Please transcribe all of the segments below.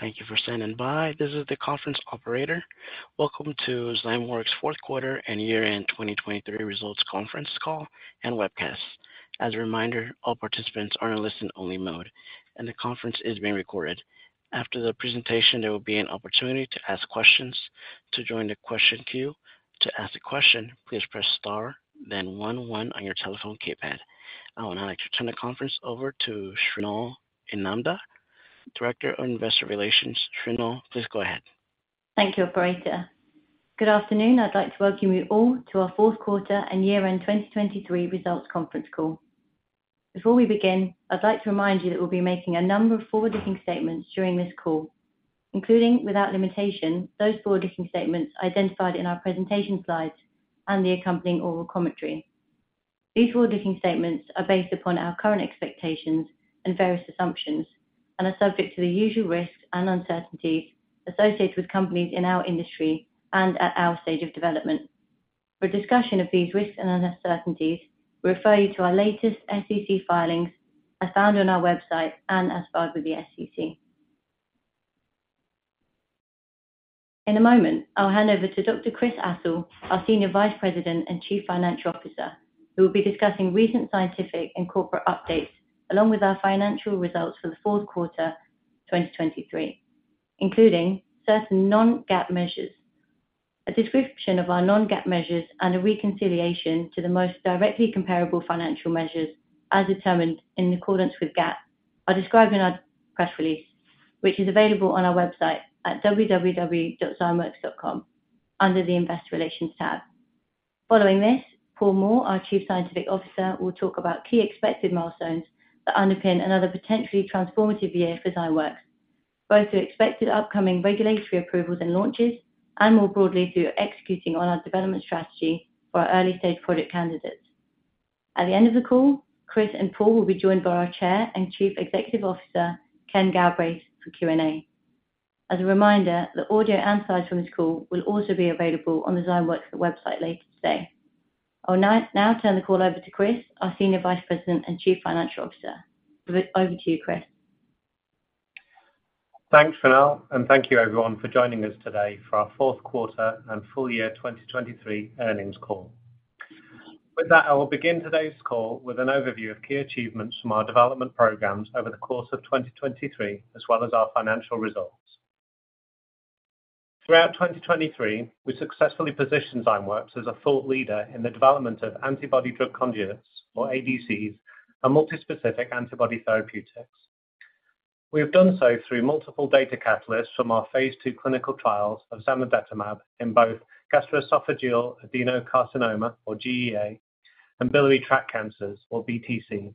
Thank you for standing by. This is the conference operator. Welcome to Zymeworks' fourth quarter and year-end 2023 results conference call and webcast. As a reminder, all participants are in listen-only mode, and the conference is being recorded. After the presentation, there will be an opportunity to ask questions, to join the question queue. To ask a question, please press star, then one one on your telephone keypad. I would now like to turn the conference over to Shrinal Inamdar, Director of Investor Relations. Shrinal, please go ahead. Thank you, Operator. Good afternoon. I'd like to welcome you all to our fourth quarter and year-end 2023 results conference call. Before we begin, I'd like to remind you that we'll be making a number of forward-looking statements during this call, including, without limitation, those forward-looking statements identified in our presentation slides and the accompanying oral commentary. These forward-looking statements are based upon our current expectations and various assumptions and are subject to the usual risks and uncertainties associated with companies in our industry and at our stage of development. For a discussion of these risks and uncertainties, we refer you to our latest SEC filings as found on our website and as filed with the SEC. In a moment, I'll hand over to Dr. Chris Astle, our Senior Vice President and Chief Financial Officer, who will be discussing recent scientific and corporate updates along with our financial results for the fourth quarter 2023, including certain Non-GAAP measures. A description of our Non-GAAP measures and a reconciliation to the most directly comparable financial measures as determined in accordance with GAAP are described in our press release, which is available on our website at www.zymeworks.com under the Investor Relations tab. Following this, Paul Moore, our Chief Scientific Officer, will talk about key expected milestones that underpin another potentially transformative year for Zymeworks, both through expected upcoming regulatory approvals and launches and more broadly through executing on our development strategy for our early-stage project candidates. At the end of the call, Chris and Paul will be joined by our Chair and Chief Executive Officer, Ken Galbraith, for Q&A. As a reminder, the audio and slides from this call will also be available on the Zymeworks website later today. I will now turn the call over to Chris, our Senior Vice President and Chief Financial Officer. Over to you, Chris. Thanks, Shrinal, and thank you, everyone, for joining us today for our fourth quarter and full-year 2023 earnings call. With that, I will begin today's call with an overview of key achievements from our development programs over the course of 2023 as well as our financial results. Throughout 2023, we successfully positioned Zymeworks as a thought leader in the development of antibody-drug conjugates, or ADCs, and multispecific antibody therapeutics. We have done so through multiple data catalysts from our phase II clinical trials of zanidatamab in both gastroesophageal adenocarcinoma, or GEA, and biliary tract cancers, or BTC,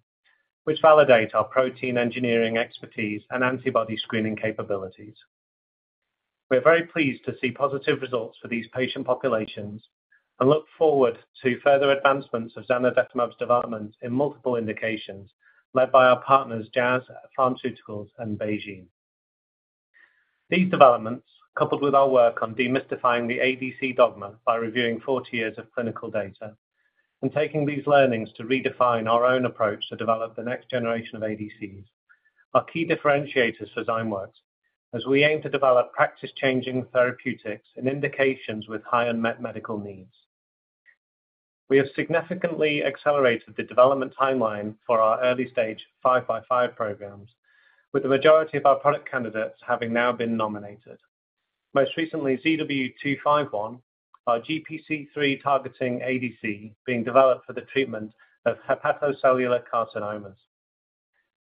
which validate our protein engineering expertise and antibody screening capabilities. We are very pleased to see positive results for these patient populations and look forward to further advancements of zanidatamab's development in multiple indications led by our partners Jazz Pharmaceuticals and BeiGene. These developments, coupled with our work on demystifying the ADC dogma by reviewing 40 years of clinical data and taking these learnings to redefine our own approach to develop the next generation of ADCs, are key differentiators for Zymeworks as we aim to develop practice-changing therapeutics and indications with high unmet medical needs. We have significantly accelerated the development timeline for our early-stage 5x5 programs, with the majority of our product candidates having now been nominated. Most recently, ZW251, our GPC3-targeting ADC, being developed for the treatment of hepatocellular carcinomas.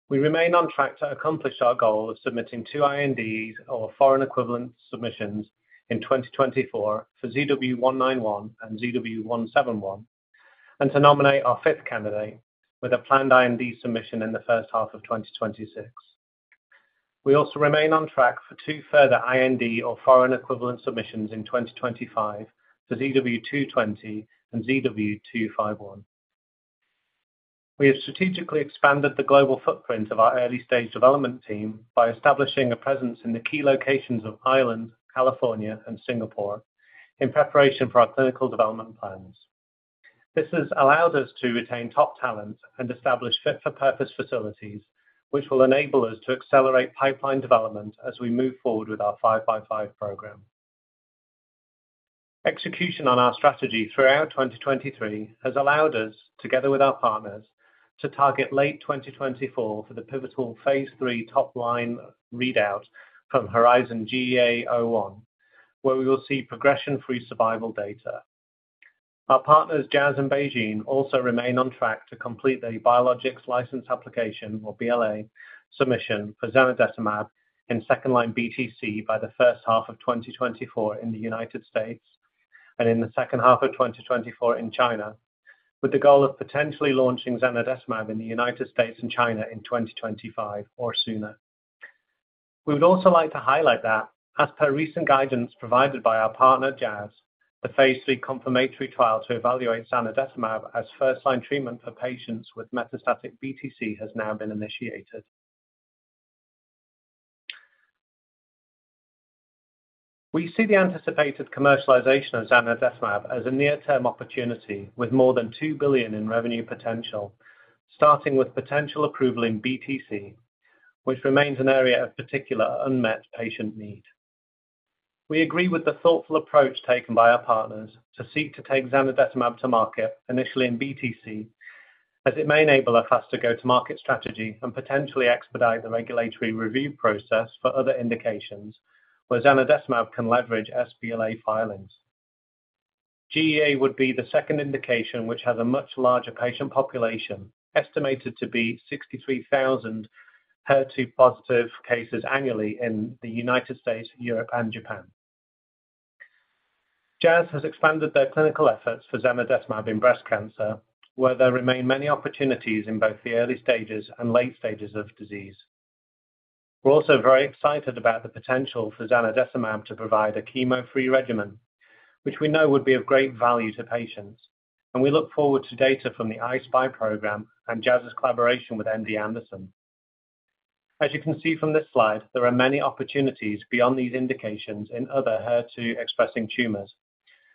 We remain on track to accomplish our goal of submitting two INDs, or foreign equivalent submissions, in 2024 for ZW191 and ZW171 and to nominate our fifth candidate with a planned IND submission in the first half of 2026. We also remain on track for two further IND, or foreign equivalent submissions, in 2025 for ZW220 and ZW251. We have strategically expanded the global footprint of our early-stage development team by establishing a presence in the key locations of Ireland, California, and Singapore in preparation for our clinical development plans. This has allowed us to retain top talent and establish fit-for-purpose facilities, which will enable us to accelerate pipeline development as we move forward with our 5x5 program. Execution on our strategy throughout 2023 has allowed us, together with our partners, to target late 2024 for the pivotal phase III top-line readout from HERIZON-GEA-01, where we will see progression-free survival data. Our partners Jazz and BeiGene also remain on track to complete the Biologics License Application, or BLA, submission for zanidatamab in second-line BTC by the first half of 2024 in the United States and in the second half of 2024 in China, with the goal of potentially launching zanidatamab in the United States and China in 2025 or sooner. We would also like to highlight that, as per recent guidance provided by our partner Jazz, the phase III confirmatory trial to evaluate zanidatamab as first-line treatment for patients with metastatic BTC has now been initiated. We see the anticipated commercialization of zanidatamab as a near-term opportunity with more than $2 billion in revenue potential, starting with potential approval in BTC, which remains an area of particular unmet patient need. We agree with the thoughtful approach taken by our partners to seek to take zanidatamab to market initially in BTC, as it may enable a faster go-to-market strategy and potentially expedite the regulatory review process for other indications where zanidatamab can leverage BLA filings. GEA would be the second indication, which has a much larger patient population, estimated to be 63,000 HER2-positive cases annually in the United States, Europe, and Japan. Jazz has expanded their clinical efforts for zanidatamab in breast cancer, where there remain many opportunities in both the early stages and late stages of disease. We're also very excited about the potential for zanidatamab to provide a chemo-free regimen, which we know would be of great value to patients, and we look forward to data from the I-SPY program and Jazz's collaboration with MD Anderson. As you can see from this slide, there are many opportunities beyond these indications in other HER2-expressing tumors,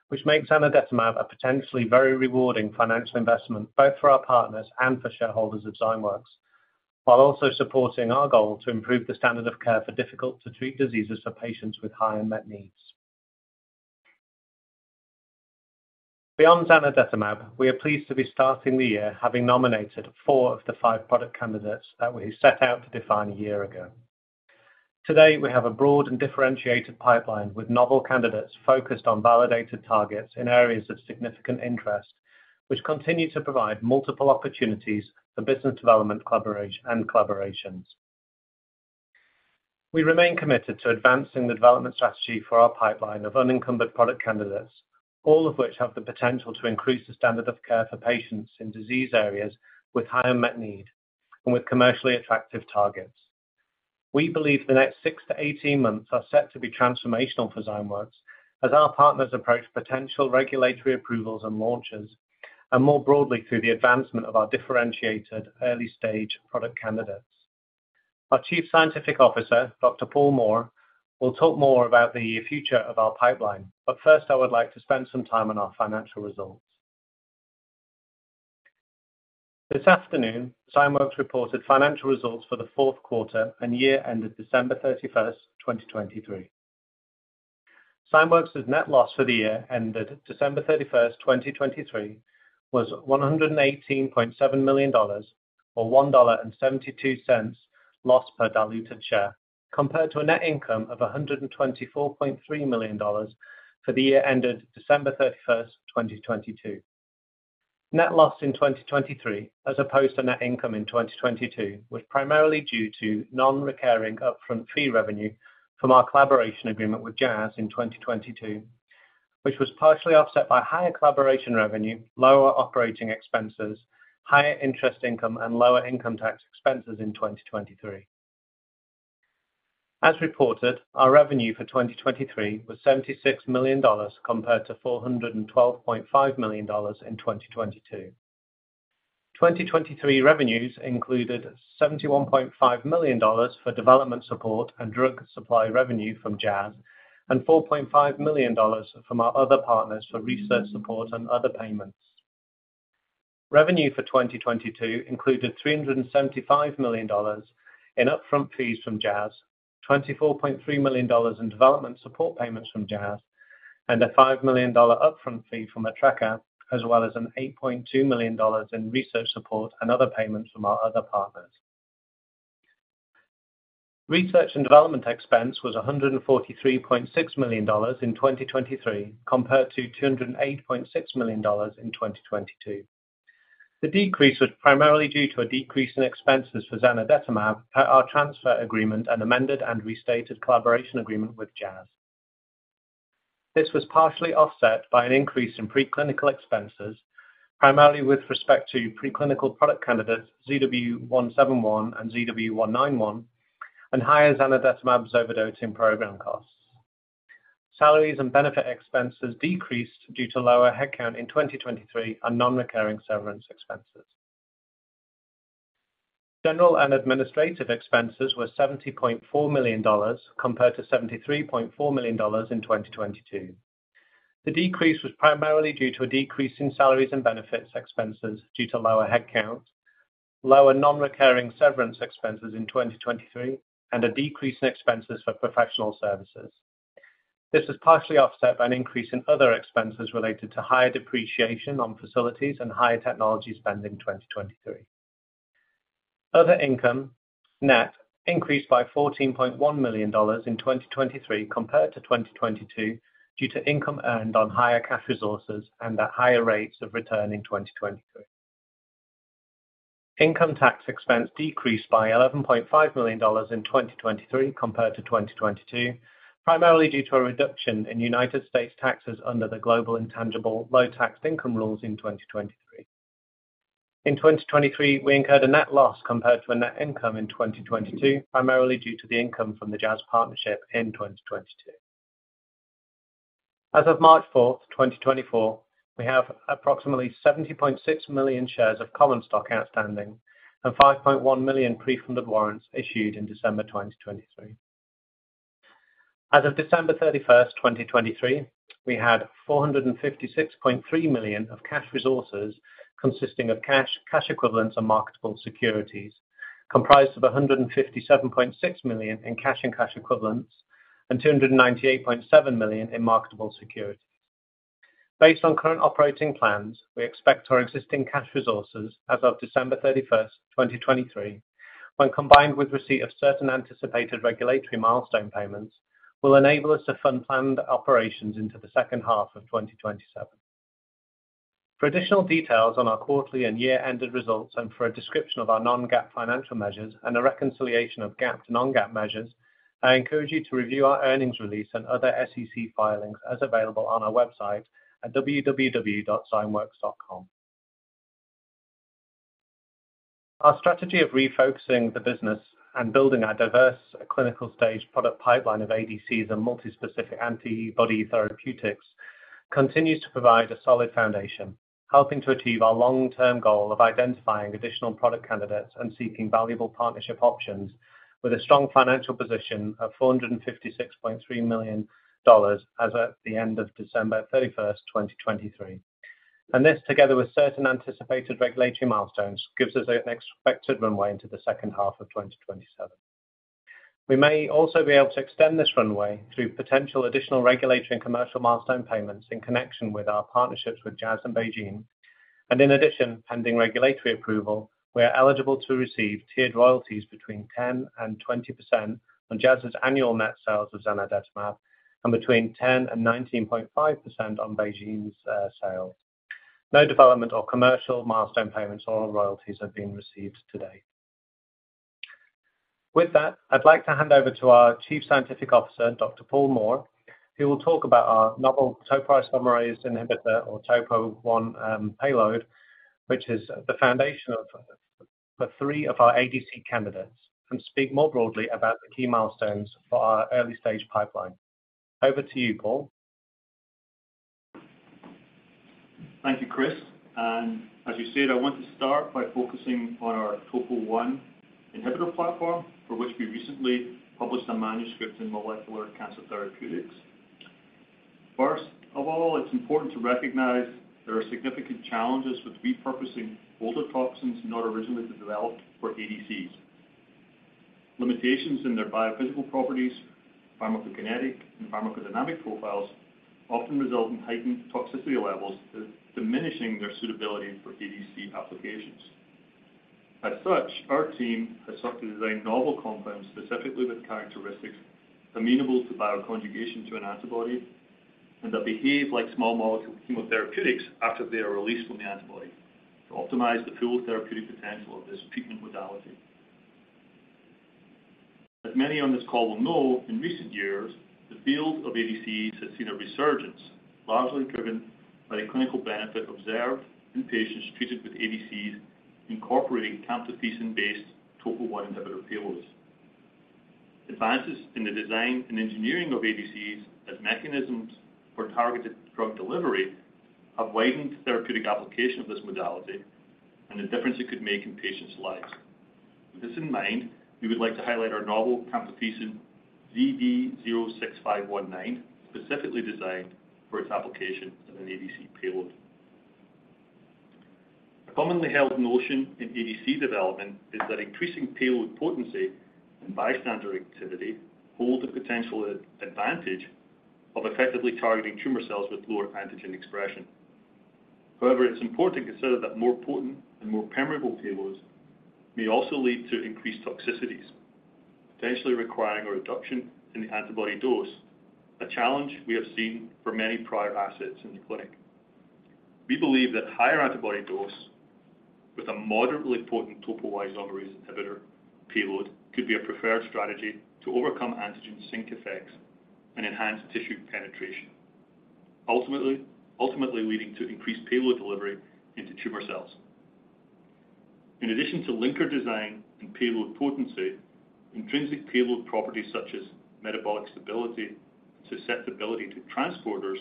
which make zanidatamab a potentially very rewarding financial investment both for our partners and for shareholders of Zymeworks, while also supporting our goal to improve the standard of care for difficult-to-treat diseases for patients with high unmet needs. Beyond zanidatamab, we are pleased to be starting the year having nominated four of the five product candidates that we set out to define a year ago. Today, we have a broad and differentiated pipeline with novel candidates focused on validated targets in areas of significant interest, which continue to provide multiple opportunities for business development collaborations and collaborations. We remain committed to advancing the development strategy for our pipeline of unencumbered product candidates, all of which have the potential to increase the standard of care for patients in disease areas with high unmet need and with commercially attractive targets. We believe the next 6-18 months are set to be transformational for Zymeworks as our partners approach potential regulatory approvals and launches, and more broadly through the advancement of our differentiated early-stage product candidates. Our Chief Scientific Officer, Dr. Paul Moore, will talk more about the future of our pipeline, but first, I would like to spend some time on our financial results. This afternoon, Zymeworks reported financial results for the fourth quarter and year ended December 31st, 2023. Zymeworks's net loss for the year ended December 31st, 2023, was $118.7 million, or $1.72 loss per diluted share, compared to a net income of $124.3 million for the year ended December 31st, 2022. Net loss in 2023 as opposed to net income in 2022 was primarily due to non-recurring upfront fee revenue from our collaboration agreement with Jazz in 2022, which was partially offset by higher collaboration revenue, lower operating expenses, higher interest income, and lower income tax expenses in 2023. As reported, our revenue for 2023 was $76 million compared to $412.5 million in 2022. 2023 revenues included $71.5 million for development support and drug supply revenue from Jazz and $4.5 million from our other partners for research support and other payments. Revenue for 2022 included $375 million in upfront fees from Jazz, $24.3 million in development support payments from Jazz, and a $5 million upfront fee from Takeda, as well as an $8.2 million in research support and other payments from our other partners. Research and development expense was $143.6 million in 2023 compared to $208.6 million in 2022. The decrease was primarily due to a decrease in expenses for zanidatamab per our transfer agreement and amended and restated collaboration agreement with Jazz. This was partially offset by an increase in preclinical expenses, primarily with respect to preclinical product candidates ZW171 and ZW191, and higher zanidatamab zovodotin program costs. Salaries and benefit expenses decreased due to lower headcount in 2023 and non-recurring severance expenses. General and administrative expenses were $70.4 million compared to $73.4 million in 2022. The decrease was primarily due to a decrease in salaries and benefits expenses due to lower headcount, lower non-recurring severance expenses in 2023, and a decrease in expenses for professional services. This was partially offset by an increase in other expenses related to higher depreciation on facilities and higher technology spending in 2023. Other income net increased by $14.1 million in 2023 compared to 2022 due to income earned on higher cash resources and at higher rates of return in 2023. Income tax expense decreased by $11.5 million in 2023 compared to 2022, primarily due to a reduction in United States taxes under the Global Intangible Low-Taxed Income rules in 2023. In 2023, we incurred a net loss compared to a net income in 2022, primarily due to the income from the Jazz partnership in 2022. As of March 4th, 2024, we have approximately 70.6 million shares of common stock outstanding and 5.1 million pre-funded warrants issued in December 2023. As of December 31st, 2023, we had $456.3 million of cash resources consisting of cash, cash equivalents, and marketable securities, comprised of $157.6 million in cash and cash equivalents and $298.7 million in marketable securities. Based on current operating plans, we expect our existing cash resources as of December 31st, 2023, when combined with receipt of certain anticipated regulatory milestone payments, will enable us to fund planned operations into the second half of 2027. For additional details on our quarterly and year-ended results and for a description of our Non-GAAP financial measures and a reconciliation of GAAP and Non-GAAP measures, I encourage you to review our earnings release and other SEC filings as available on our website at www.zymeworks.com. Our strategy of refocusing the business and building our diverse clinical-stage product pipeline of ADCs and multispecific antibody therapeutics continues to provide a solid foundation, helping to achieve our long-term goal of identifying additional product candidates and seeking valuable partnership options with a strong financial position of $456.3 million as at the end of December 31st, 2023. This, together with certain anticipated regulatory milestones, gives us an expected runway into the second half of 2027. We may also be able to extend this runway through potential additional regulatory and commercial milestone payments in connection with our partnerships with Jazz and BeiGene. In addition, pending regulatory approval, we are eligible to receive tiered royalties between 10%-20% on Jazz's annual net sales of zanidatamab and between 10%-19.5% on BeiGene's sales. No development or commercial milestone payments or royalties have been received to date. With that, I'd like to hand over to our Chief Scientific Officer, Dr. Paul Moore, who will talk about our novel topoisomerase I inhibitor, or TOPO1 payload, which is the foundation for three of our ADC candidates and speak more broadly about the key milestones for our early-stage pipeline. Over to you, Paul. Thank you, Chris. As you said, I want to start by focusing on our TOPO1 inhibitor platform, for which we recently published a manuscript in Molecular Cancer Therapeutics. First of all, it's important to recognize there are significant challenges with repurposing older toxins not originally developed for ADCs. Limitations in their biophysical properties, pharmacokinetic, and pharmacodynamic profiles often result in heightened toxicity levels, diminishing their suitability for ADC applications. As such, our team has sought to design novel compounds specifically with characteristics amenable to bioconjugation to an antibody and that behave like small molecule chemotherapeutics after they are released from the antibody to optimize the full therapeutic potential of this treatment modality. As many on this call will know, in recent years, the field of ADCs has seen a resurgence, largely driven by the clinical benefit observed in patients treated with ADCs incorporating camptothecin-based TOPO1 inhibitor payloads. Advances in the design and engineering of ADCs as mechanisms for targeted drug delivery have widened the therapeutic application of this modality and the difference it could make in patients' lives. With this in mind, we would like to highlight our novel camptothecin ZD06519, specifically designed for its application as an ADC payload. A commonly held notion in ADC development is that increasing payload potency and bystander activity hold the potential advantage of effectively targeting tumor cells with lower antigen expression. However, it's important to consider that more potent and more permeable payloads may also lead to increased toxicities, potentially requiring a reduction in the antibody dose, a challenge we have seen for many prior assets in the clinic. We believe that higher antibody dose with a moderately potent TOPO1 topoisomerase inhibitor payload could be a preferred strategy to overcome antigen sink effects and enhance tissue penetration, ultimately leading to increased payload delivery into tumor cells. In addition to linker design and payload potency, intrinsic payload properties such as metabolic stability and susceptibility to transporters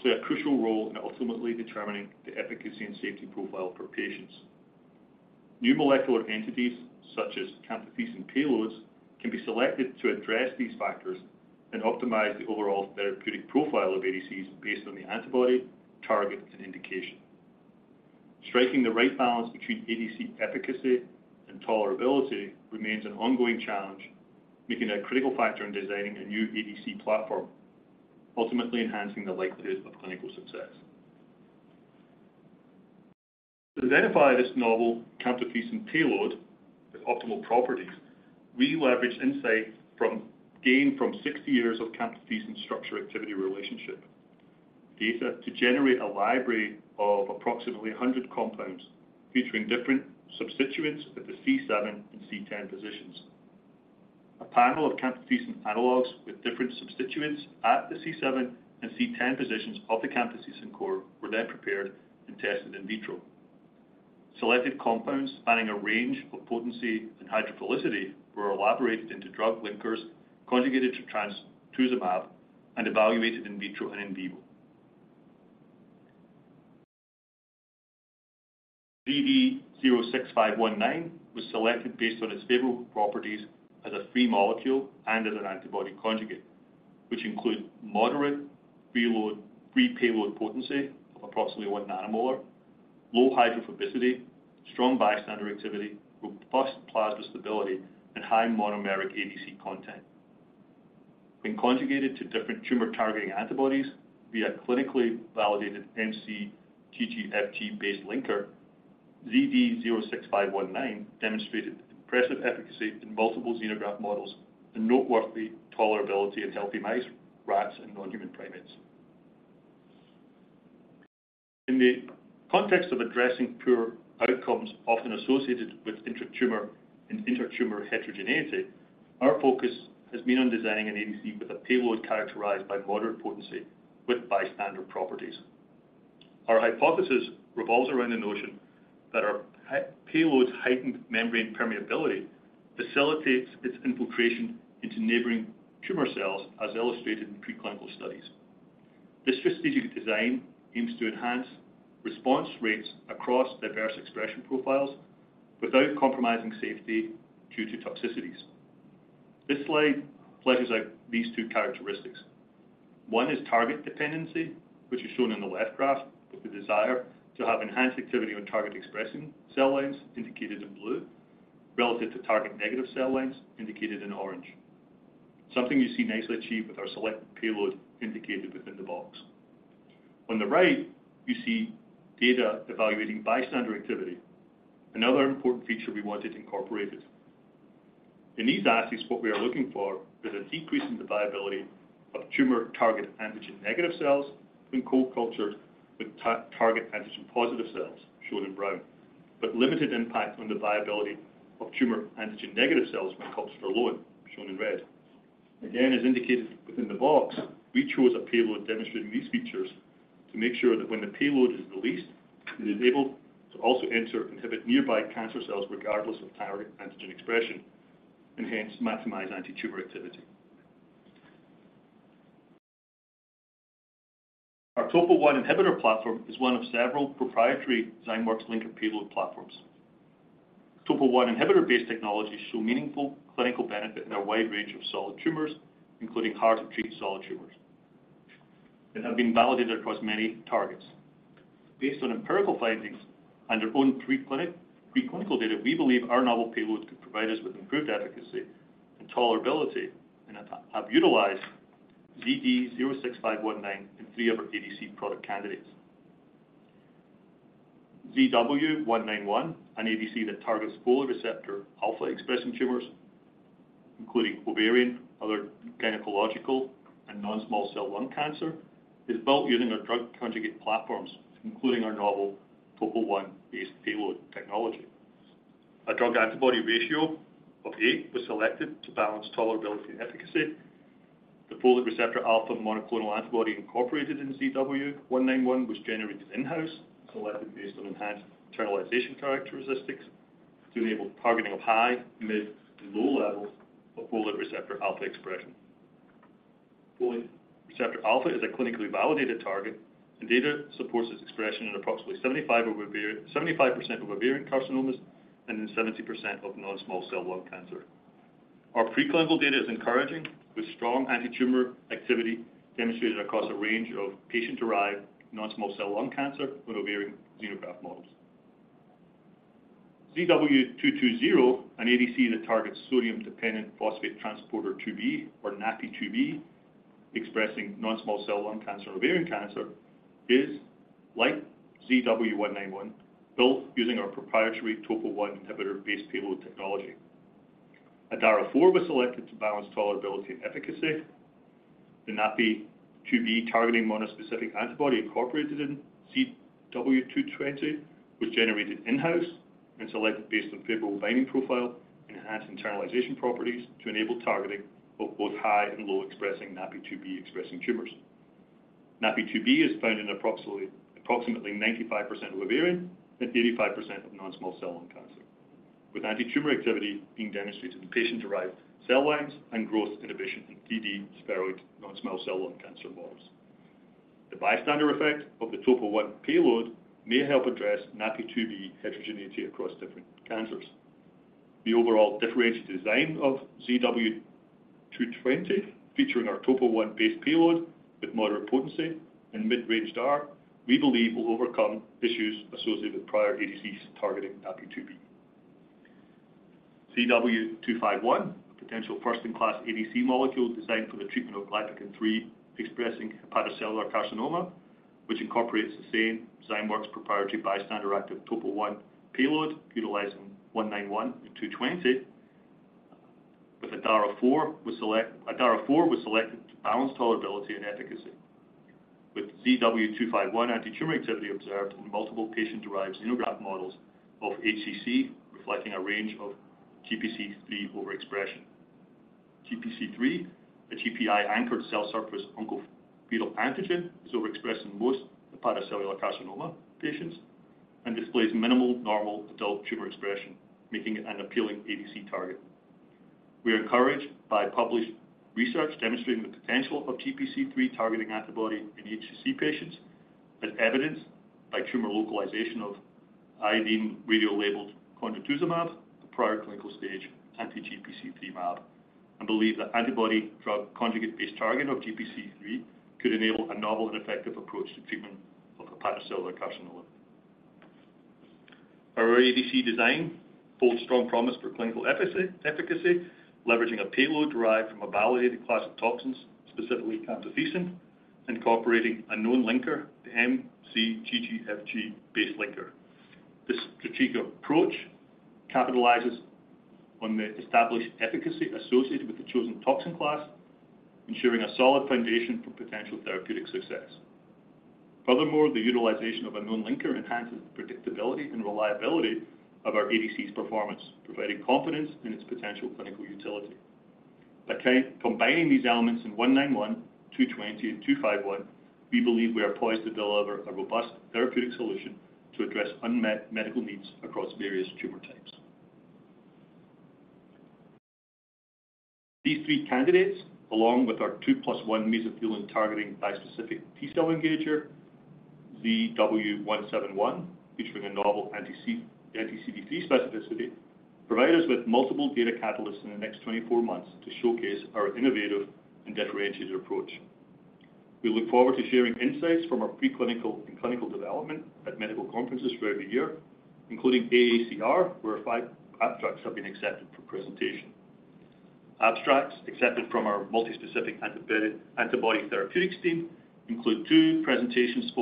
play a crucial role in ultimately determining the efficacy and safety profile for patients. New molecular entities such as camptothecin payloads can be selected to address these factors and optimize the overall therapeutic profile of ADCs based on the antibody, target, and indication. Striking the right balance between ADC efficacy and tolerability remains an ongoing challenge, making it a critical factor in designing a new ADC platform, ultimately enhancing the likelihood of clinical success. To identify this novel camptothecin payload with optimal properties, we leveraged insight gained from 60 years of camptothecin structure-activity relationship data to generate a library of approximately 100 compounds featuring different substituents at the C7 and C10 positions. A panel of camptothecin analogues with different substituents at the C7 and C10 positions of the camptothecin core were then prepared and tested in vitro. Selected compounds spanning a range of potency and hydrophilicity were elaborated into drug linkers, conjugated to trastuzumab, and evaluated in vitro and in vivo. ZD06519 was selected based on its favorable properties as a free molecule and as an antibody conjugate, which include moderate free payload potency of approximately 1 nanomolar, low hydrophobicity, strong bystander activity, robust plasma stability, and high monomeric ADC content. When conjugated to different tumor-targeting antibodies via clinically validated mc-GGFG-based linker, ZD06519 demonstrated impressive efficacy in multiple xenograft models and noteworthy tolerability in healthy mice, rats, and non-human primates. In the context of addressing poor outcomes often associated with intra-tumor and intertumor heterogeneity, our focus has been on designing an ADC with a payload characterized by moderate potency with bystander properties. Our hypothesis revolves around the notion that our payload's heightened membrane permeability facilitates its infiltration into neighboring tumor cells, as illustrated in preclinical studies. This strategic design aims to enhance response rates across diverse expression profiles without compromising safety due to toxicities. This slide fleshes out these two characteristics. One is target dependency, which is shown in the left graph, with the desire to have enhanced activity on target-expressing cell lines indicated in blue relative to target-negative cell lines indicated in orange, something you see nicely achieved with our selected payload indicated within the box. On the right, you see data evaluating bystander activity, another important feature we wanted incorporated. In these assets, what we are looking for is a decrease in the viability of tumor-target antigen-negative cells when co-cultured with target-antigen-positive cells, shown in brown, but limited impact on the viability of tumor-antigen-negative cells when cultured alone, shown in red. Again, as indicated within the box, we chose a payload demonstrating these features to make sure that when the payload is released, it is able to also enter and inhibit nearby cancer cells regardless of target antigen expression and hence maximize antitumor activity. Our TOPO1 inhibitor platform is one of several proprietary Zymeworks linker payload platforms. TOPO1 inhibitor-based technologies show meaningful clinical benefit in a wide range of solid tumors, including hard-to-treat solid tumors, and have been validated across many targets. Based on empirical findings and our own preclinical data, we believe our novel payloads could provide us with improved efficacy and tolerability and have utilized ZD06519 in three of our ADC product candidates: ZW191, an ADC that targets folate receptor alpha-expressing tumors, including ovarian, other gynecological, and non-small cell lung cancer, is built using our drug conjugate platforms, including our novel TOPO1-based payload technology. A drug-antibody ratio of eight was selected to balance tolerability and efficacy. The folate receptor alpha monoclonal antibody incorporated in ZW191 was generated in-house, selected based on enhanced internalization characteristics to enable targeting of high, mid, and low levels of folate receptor alpha expression. Folate receptor alpha is a clinically validated target, and data supports its expression in approximately 75% of ovarian carcinomas and in 70% of non-small cell lung cancer. Our preclinical data is encouraging, with strong antitumor activity demonstrated across a range of patient-derived non-small cell lung cancer and ovarian xenograft models. ZW220, an ADC that targets sodium-dependent phosphate transporter 2B or NaPi2b expressing non-small cell lung cancer and ovarian cancer, is like ZW191, built using our proprietary TOPO1 inhibitor-based payload technology. DAR-4 was selected to balance tolerability and efficacy. The NaPi2b targeting monospecific antibody incorporated in ZW220 was generated in-house and selected based on favorable binding profile and enhanced internalization properties to enable targeting of both high and low-expressing NaPi2b expressing tumors. NaPi2b is found in approximately 95% of ovarian and 85% of non-small cell lung cancer, with antitumor activity being demonstrated in patient-derived cell lines and growth inhibition in 3D spheroid non-small cell lung cancer models. The bystander effect of the TOPO1 payload may help address NaPi2b heterogeneity across different cancers. The overall differentiated design of ZW220, featuring our TOPO1-based payload with moderate potency and mid-range DAR, we believe will overcome issues associated with prior ADCs targeting NaPi2b. ZW251, a potential first-in-class ADC molecule designed for the treatment of GPC3 expressing hepatocellular carcinoma, which incorporates the same Zymeworks proprietary bystander-active TOPO1 payload utilizing 191 and 220, with DAR 4 was selected to balance tolerability and efficacy, with ZW251 antitumor activity observed in multiple patient-derived xenograft models of HCC, reflecting a range of GPC3 overexpression. GPC3, a GPI-anchored cell surface oncofetal antigen, is overexpressed in most hepatocellular carcinoma patients and displays minimal normal adult tumor expression, making it an appealing ADC target. We are encouraged by published research demonstrating the potential of GPC3 targeting antibody in HCC patients, as evidenced by tumor localization of iodine radiolabeled codrituzumab, a prior clinical stage anti-GPC3 MAB, and believe that antibody-drug conjugate-based targeting of GPC3 could enable a novel and effective approach to treatment of hepatocellular carcinoma. Our ADC design holds strong promise for clinical efficacy, leveraging a payload derived from a validated class of toxins, specifically camptothecin, and incorporating a known linker, the mc-GGFG-based linker. This strategic approach capitalizes on the established efficacy associated with the chosen toxin class, ensuring a solid foundation for potential therapeutic success. Furthermore, the utilization of a known linker enhances the predictability and reliability of our ADC's performance, providing confidence in its potential clinical utility. By combining these elements in ZW191, ZW220, and ZW251, we believe we are poised to deliver a robust therapeutic solution to address unmet medical needs across various tumor types. These three candidates, along with our 2+1 mesothelin targeting bispecific T-cell engager, ZW171, featuring a novel anti-CD3 specificity, provide us with multiple data catalysts in the next 24 months to showcase our innovative and differentiated approach. We look forward to sharing insights from our preclinical and clinical development at medical conferences throughout the year, including AACR, where five abstracts have been accepted for presentation. Abstracts accepted from our multispecific antibody therapeutics team include two presentations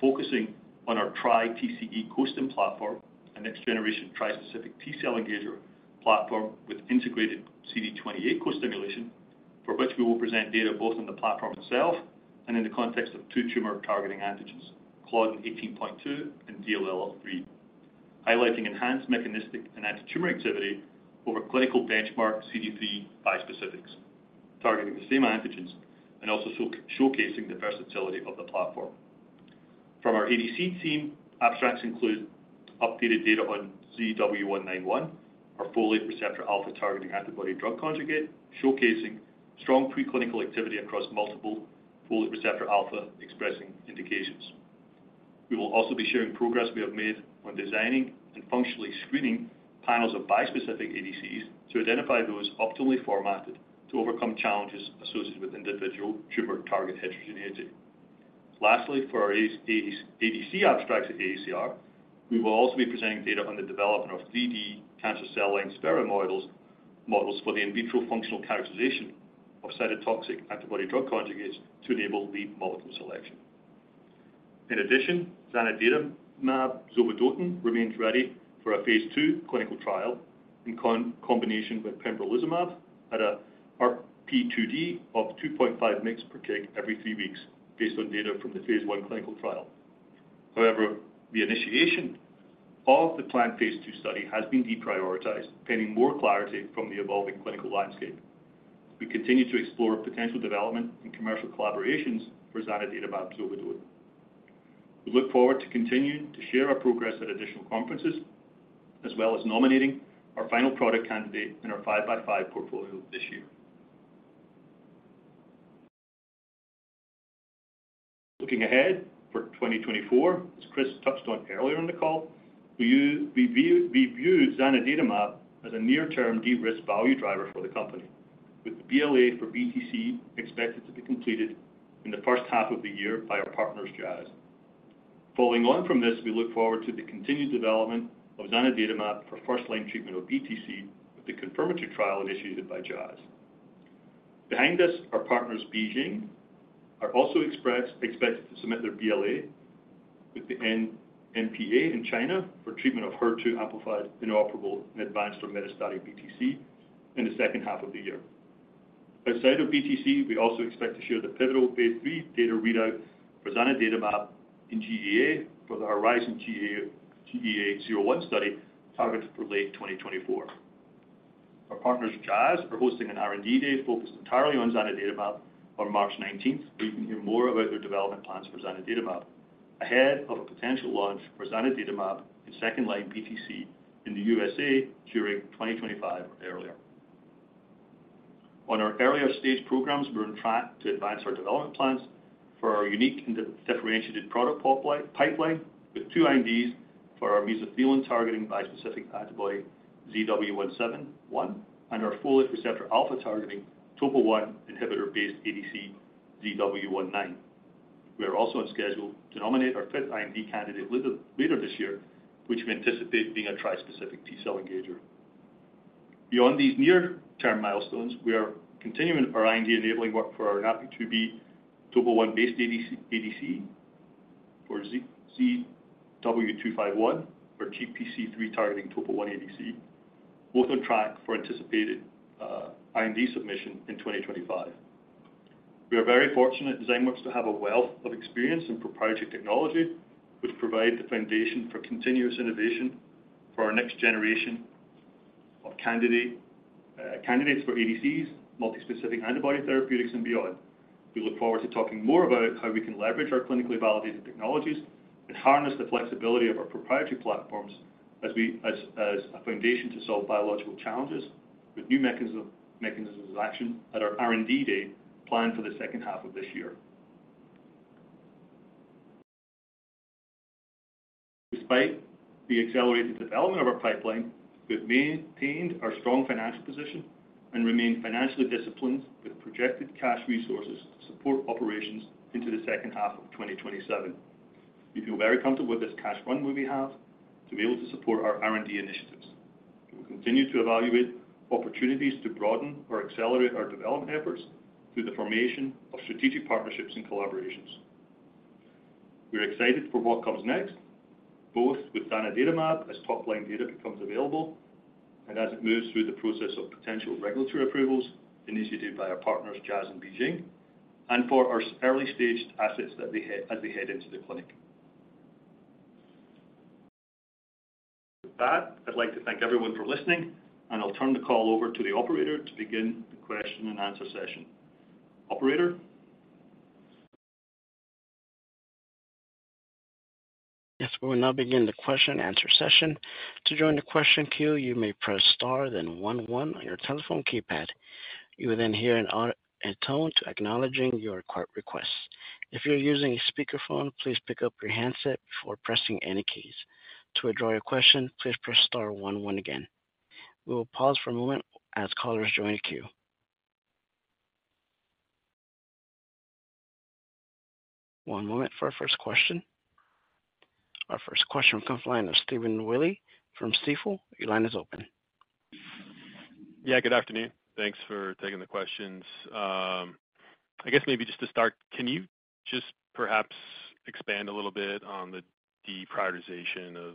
focusing on our TriTCE Co-Stim platform, a next-generation tri-specific T-cell engager platform with integrated CD28 co-stimulation, for which we will present data both on the platform itself and in the context of two tumor targeting antigens, Claudin-18.2 and DLL3, highlighting enhanced mechanistic and antitumor activity over clinical benchmark CD3 bispecifics, targeting the same antigens and also showcasing the versatility of the platform. From our ADC team, abstracts include updated data on ZW191, our folate receptor alpha targeting antibody drug conjugate, showcasing strong preclinical activity across multiple folate receptor alpha expressing indications. We will also be sharing progress we have made on designing and functionally screening panels of bispecific ADCs to identify those optimally formatted to overcome challenges associated with individual tumor target heterogeneity. Lastly, for our ADC abstracts at AACR, we will also be presenting data on the development of 3D cancer cell line spheroid models for the in vitro functional characterization of cytotoxic antibody-drug conjugates to enable lead molecule selection. In addition, zanidatamab zovodotin remains ready for a phase II clinical trial in combination with pembrolizumab at an RP2D of 2.5 mg per kg every three weeks, based on data from the phase I clinical trial. However, the initiation of the planned phase II study has been deprioritized, pending more clarity from the evolving clinical landscape. We continue to explore potential development and commercial collaborations for zanidatamab zovodotin. We look forward to continuing to share our progress at additional conferences, as well as nominating our final product candidate in our 5x5 portfolio this year. Looking ahead for 2024, as Chris touched on earlier in the call, we view zanidatamab as a near-term de-risk value driver for the company, with the BLA for BTC expected to be completed in the first half of the year by our partners, Jazz. Following on from this, we look forward to the continued development of zanidatamab for first-line treatment of BTC with the confirmatory trial initiated by Jazz. Behind us, our partners, BeiGene, are also expected to submit their BLA with the NMPA in China for treatment of HER2 amplified inoperable and advanced or metastatic BTC in the second half of the year. Outside of BTC, we also expect to share the pivotal phase III data readout for zanidatamab in GEA for the HERIZON-GEA-01 study targeted for late 2024. Our partners, Jazz, are hosting an R&D day focused entirely on zanidatamab on March 19th, where you can hear more about their development plans for zanidatamab ahead of a potential launch for zanidatamab in second-line BTC in the U.S. during 2025 or earlier. On our earlier stage programs, we're on track to advance our development plans for our unique and differentiated product pipeline with two INDs for our mesothelin targeting bispecific antibody ZW171 and our folate receptor alpha targeting TOPO1 inhibitor-based ADC ZW191. We are also on schedule to nominate our fifth IND candidate later this year, which we anticipate being a tri-specific T-cell engager. Beyond these near-term milestones, we are continuing our IND-enabling work for our NaPi2b TOPO1-based ADC for ZW251 for GPC3 targeting TOPO1 ADC, both on track for anticipated IND submission in 2025. We are very fortunate at Zymeworks to have a wealth of experience in proprietary technology, which provides the foundation for continuous innovation for our next generation of candidates for ADCs, multispecific antibody therapeutics, and beyond. We look forward to talking more about how we can leverage our clinically validated technologies and harness the flexibility of our proprietary platforms as a foundation to solve biological challenges with new mechanisms of action at our R&D day planned for the second half of this year. Despite the accelerated development of our pipeline, we've maintained our strong financial position and remained financially disciplined with projected cash resources to support operations into the second half of 2027. We feel very comfortable with this cash runway we have to be able to support our R&D initiatives. We will continue to evaluate opportunities to broaden or accelerate our development efforts through the formation of strategic partnerships and collaborations. We're excited for what comes next, both with zanidatamab as top-line data becomes available and as it moves through the process of potential regulatory approvals initiated by our partners, Jazz and BeiGene, and for our early-staged assets as they head into the clinic. With that, I'd like to thank everyone for listening, and I'll turn the call over to the operator to begin the question-and-answer session. Operator? Yes. We will now begin the question-and-answer session. To join the question queue, you may press star, then one one on your telephone keypad. You will then hear a tone acknowledging your request. If you're using a speakerphone, please pick up your handset before pressing any keys. To address your question, please press star one one again. We will pause for a moment as callers join the queue. One moment for our first question. Our first question from the line is Stephen Willey from Stifel. Your line is open. Yeah. Good afternoon. Thanks for taking the questions. I guess maybe just to start, can you just perhaps expand a little bit on the deprioritization of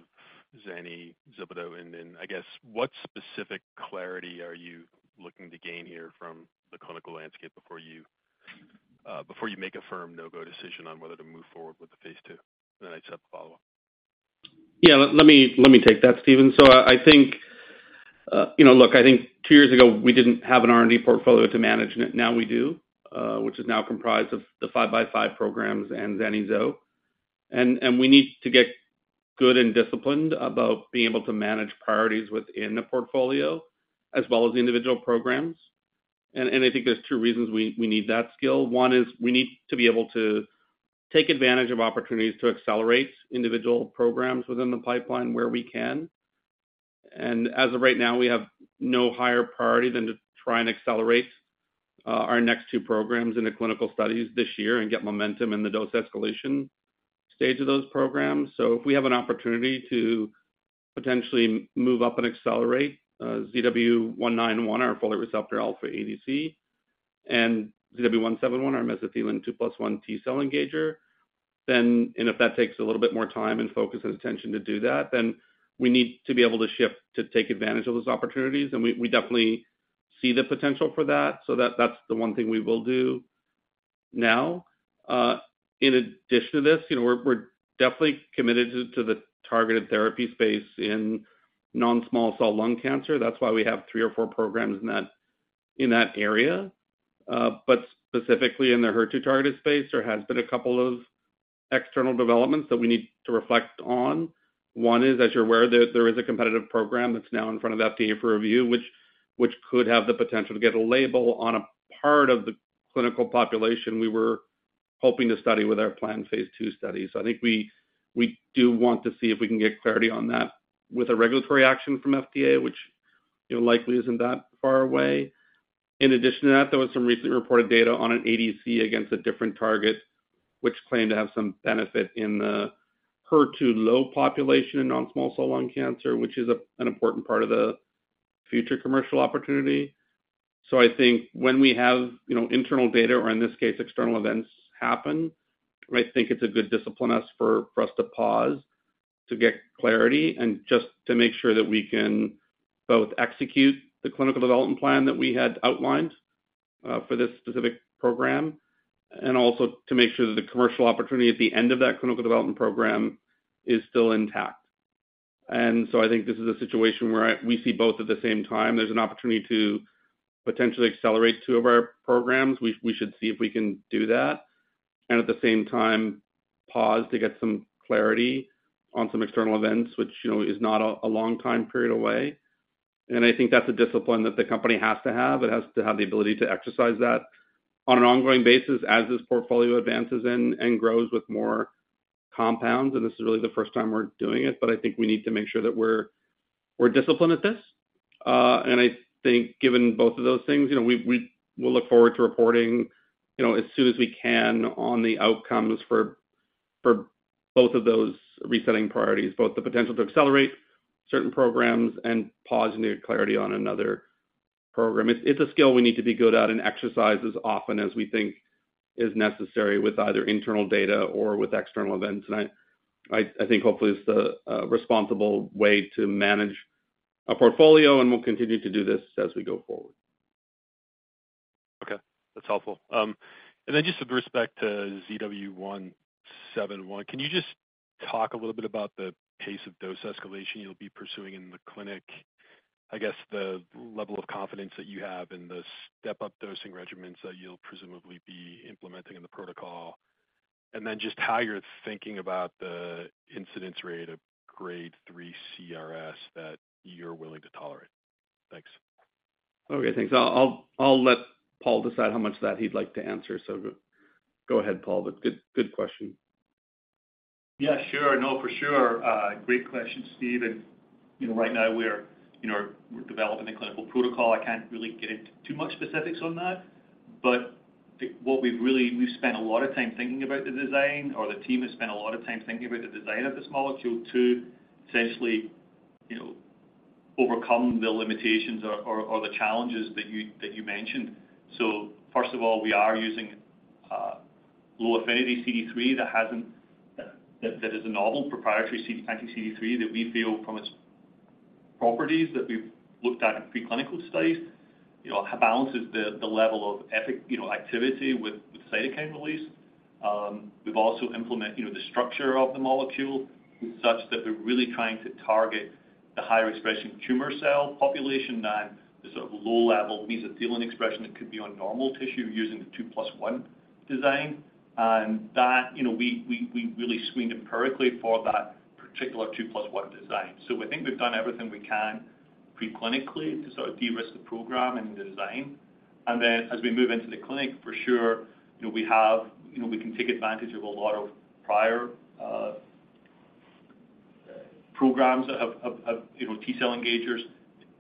zanidatamab zovodotin? And I guess what specific clarity are you looking to gain here from the clinical landscape before you make a firm no-go decision on whether to move forward with the phase II? And then I'd set the follow-up. Yeah. Let me take that, Stephen. So I think look, I think two years ago, we didn't have an R&D portfolio to manage it. Now we do, which is now comprised of the 5x5 programs and zanidatamab zovodotin. And we need to get good and disciplined about being able to manage priorities within the portfolio as well as the individual programs. And I think there's two reasons we need that skill. One is we need to be able to take advantage of opportunities to accelerate individual programs within the pipeline where we can. And as of right now, we have no higher priority than to try and accelerate our next two programs in the clinical studies this year and get momentum in the dose escalation stage of those programs. So if we have an opportunity to potentially move up and accelerate ZW191, our folate receptor alpha ADC, and ZW171, our mesothelin 2+1 T-cell engager, then and if that takes a little bit more time and focus and attention to do that, then we need to be able to shift to take advantage of those opportunities. And we definitely see the potential for that. So that's the one thing we will do now. In addition to this, we're definitely committed to the targeted therapy space in non-small cell lung cancer. That's why we have three or four programs in that area. But specifically in the HER2 targeted space, there has been a couple of external developments that we need to reflect on. One is, as you're aware, there is a competitive program that's now in front of the FDA for review, which could have the potential to get a label on a part of the clinical population we were hoping to study with our planned phase II study. So I think we do want to see if we can get clarity on that with a regulatory action from FDA, which likely isn't that far away. In addition to that, there was some recently reported data on an ADC against a different target, which claimed to have some benefit in the HER2 low population in non-small cell lung cancer, which is an important part of the future commercial opportunity. So I think when we have internal data or, in this case, external events happen, I think it's a good discipline for us to pause to get clarity and just to make sure that we can both execute the clinical development plan that we had outlined for this specific program and also to make sure that the commercial opportunity at the end of that clinical development program is still intact. And so I think this is a situation where we see both at the same time. There's an opportunity to potentially accelerate two of our programs. We should see if we can do that and at the same time pause to get some clarity on some external events, which is not a long time period away. And I think that's a discipline that the company has to have. It has to have the ability to exercise that on an ongoing basis as this portfolio advances and grows with more compounds. This is really the first time we're doing it. But I think we need to make sure that we're disciplined at this. And I think given both of those things, we'll look forward to reporting as soon as we can on the outcomes for both of those resetting priorities, both the potential to accelerate certain programs and pause and get clarity on another program. It's a skill we need to be good at and exercise as often as we think is necessary with either internal data or with external events. And I think hopefully it's the responsible way to manage a portfolio. And we'll continue to do this as we go forward. Okay. That's helpful. And then just with respect to ZW171, can you just talk a little bit about the pace of dose escalation you'll be pursuing in the clinic, I guess the level of confidence that you have in the step-up dosing regimens that you'll presumably be implementing in the protocol, and then just how you're thinking about the incidence rate of grade three CRS that you're willing to tolerate? Thanks. Okay. Thanks. I'll let Paul decide how much of that he'd like to answer. So go ahead, Paul. But good question. Yeah. Sure. No, for sure. Great question, Stephen. Right now, we're developing the clinical protocol. I can't really get into too much specifics on that. But what we've spent a lot of time thinking about the design or the team has spent a lot of time thinking about the design of this molecule to essentially overcome the limitations or the challenges that you mentioned. So first of all, we are using low affinity CD3 that is a novel proprietary anti-CD3 that we feel from its properties that we've looked at in preclinical studies balances the level of activity with cytokine release. We've also implemented the structure of the molecule such that we're really trying to target the higher expression tumor cell population than the sort of low-level mesothelial expression that could be on normal tissue using the 2+1 design. And we really screened empirically for that particular 2+1 design. So I think we've done everything we can preclinically to sort of de-risk the program and the design. Then as we move into the clinic, for sure, we can take advantage of a lot of prior programs that have T-cell engagers,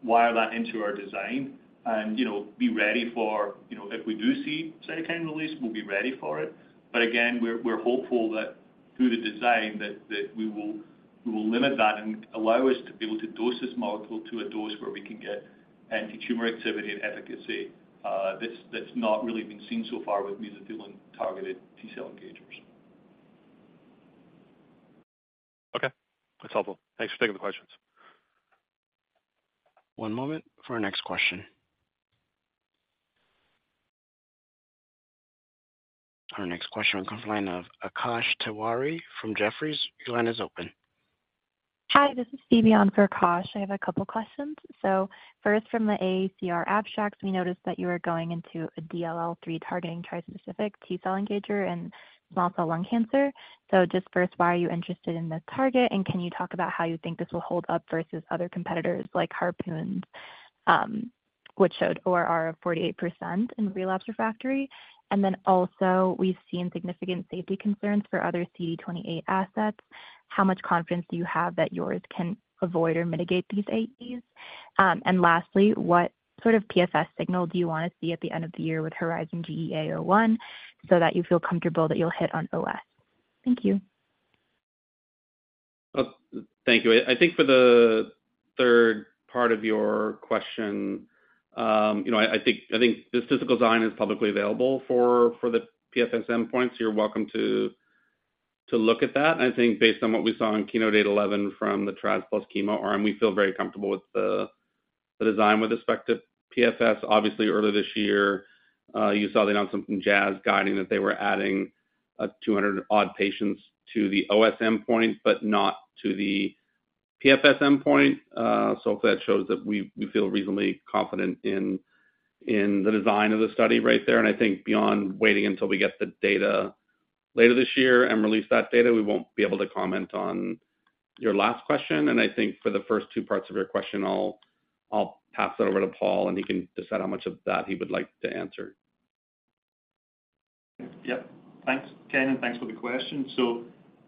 wire that into our design, and be ready for if we do see cytokine release, we'll be ready for it. But again, we're hopeful that through the design, that we will limit that and allow us to be able to dose this molecule to a dose where we can get anti-tumor activity and efficacy that's not really been seen so far with mesothelin-targeted T-cell engagers. Okay. That's helpful. Thanks for taking the questions. One moment for our next question. Our next question from the line of Akash Tewari from Jefferies. Your line is open. Hi. This is Ivy Wang for Akash. I have a couple of questions. So first, from the AACR abstracts, we noticed that you were going into a DLL3 targeting tri-specific T-cell engager in small cell lung cancer. So just first, why are you interested in this target? And can you talk about how you think this will hold up versus other competitors like Harpoon, which showed ORR of 48% in relapse refractory? And then also, we've seen significant safety concerns for other CD28 assets. How much confidence do you have that yours can avoid or mitigate these AEs? And lastly, what sort of PFS signal do you want to see at the end of the year with HERIZON-GEA-01 so that you feel comfortable that you'll hit on OS? Thank you. Thank you. I think for the third part of your question, I think this pivotal design is publicly available for the PFS endpoint. So you're welcome to look at that. I think based on what we saw on KEYNOTE-811 from the trastuzumab plus chemo arm, we feel very comfortable with the design with respect to PFS. Obviously, earlier this year, you saw the announcement from Jazz guiding that they were adding 200-odd patients to the OS endpoint but not to the PFS endpoint. So that shows that we feel reasonably confident in the design of the study right there. And I think beyond waiting until we get the data later this year and release that data, we won't be able to comment on your last question. I think for the first two parts of your question, I'll pass that over to Paul, and he can decide how much of that he would like to answer. Yep. Thanks, Ken, and thanks for the question. So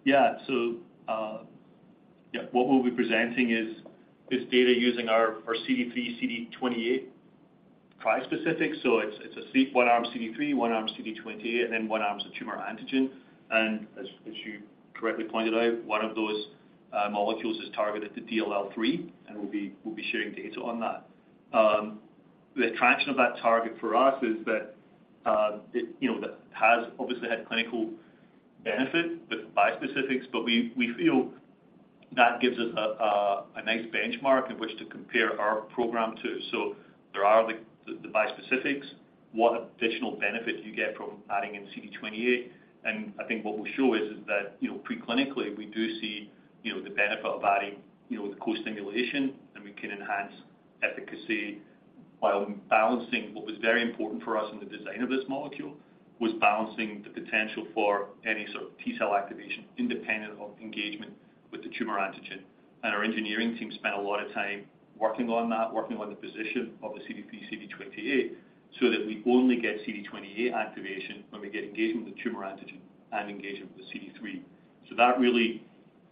yeah. So yeah. What we'll be presenting is this data using our CD3, CD28 tri-specific. So it's a one-arm CD3, one-arm CD28, and then one arm's a tumor antigen. And as you correctly pointed out, one of those molecules is targeted to DLL3, and we'll be sharing data on that. The attraction of that target for us is that it has obviously had clinical benefit with bispecifics, but we feel that gives us a nice benchmark in which to compare our program to. So there are the bispecifics, what additional benefit you get from adding in CD28. I think what we'll show is that preclinically, we do see the benefit of adding the co-stimulation, and we can enhance efficacy while balancing what was very important for us in the design of this molecule was balancing the potential for any sort of T-cell activation independent of engagement with the tumor antigen. Our engineering team spent a lot of time working on that, working on the position of the CD3, CD28 so that we only get CD28 activation when we get engagement with the tumor antigen and engagement with the CD3. That really,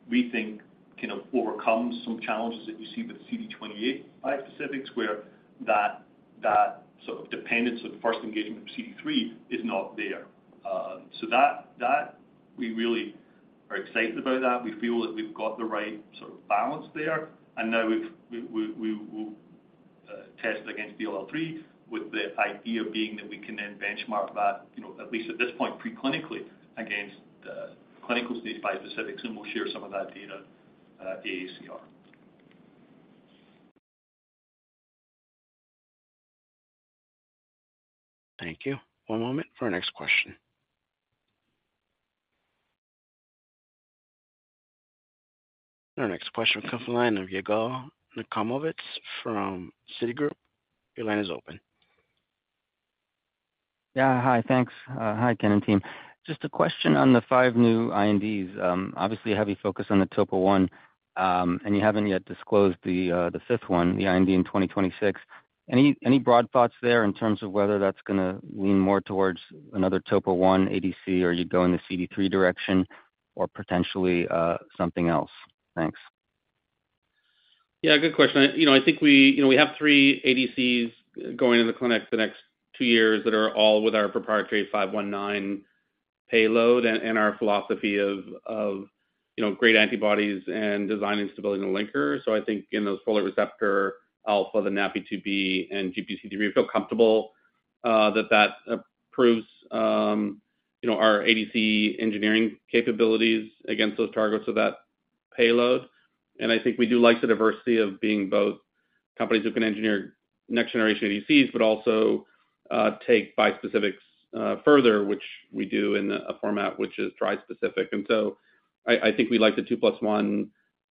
we think, can overcome some challenges that you see with CD28 bispecifics where that sort of dependence of first engagement with CD3 is not there. We really are excited about that. We feel that we've got the right sort of balance there. Now we'll test it against DLL3 with the idea being that we can then benchmark that, at least at this point preclinically, against the clinical stage bispecifics. We'll share some of that data AACR. Thank you. One moment for our next question. Our next question on the front line of Yigal Nochomovitz from Citigroup. Your line is open. Yeah. Hi. Thanks. Hi, Ken and team. Just a question on the five new INDs. Obviously, heavy focus on the TOPO1, and you haven't yet disclosed the fifth one, the IND in 2026. Any broad thoughts there in terms of whether that's going to lean more towards another TOPO1 ADC or you'd go in the CD3 direction or potentially something else? Thanks. Yeah. Good question. I think we have three ADCs going in the clinic the next two years that are all with our proprietary ZD06519 payload and our philosophy of great antibodies and design instability in the linker. So I think in those folate receptor alpha, the NaPi2b, and GPC3, we feel comfortable that that proves our ADC engineering capabilities against those targets of that payload. And I think we do like the diversity of being both companies who can engineer next-generation ADCs but also take bispecifics further, which we do in a format which is trispecific. And so I think we like the 2+1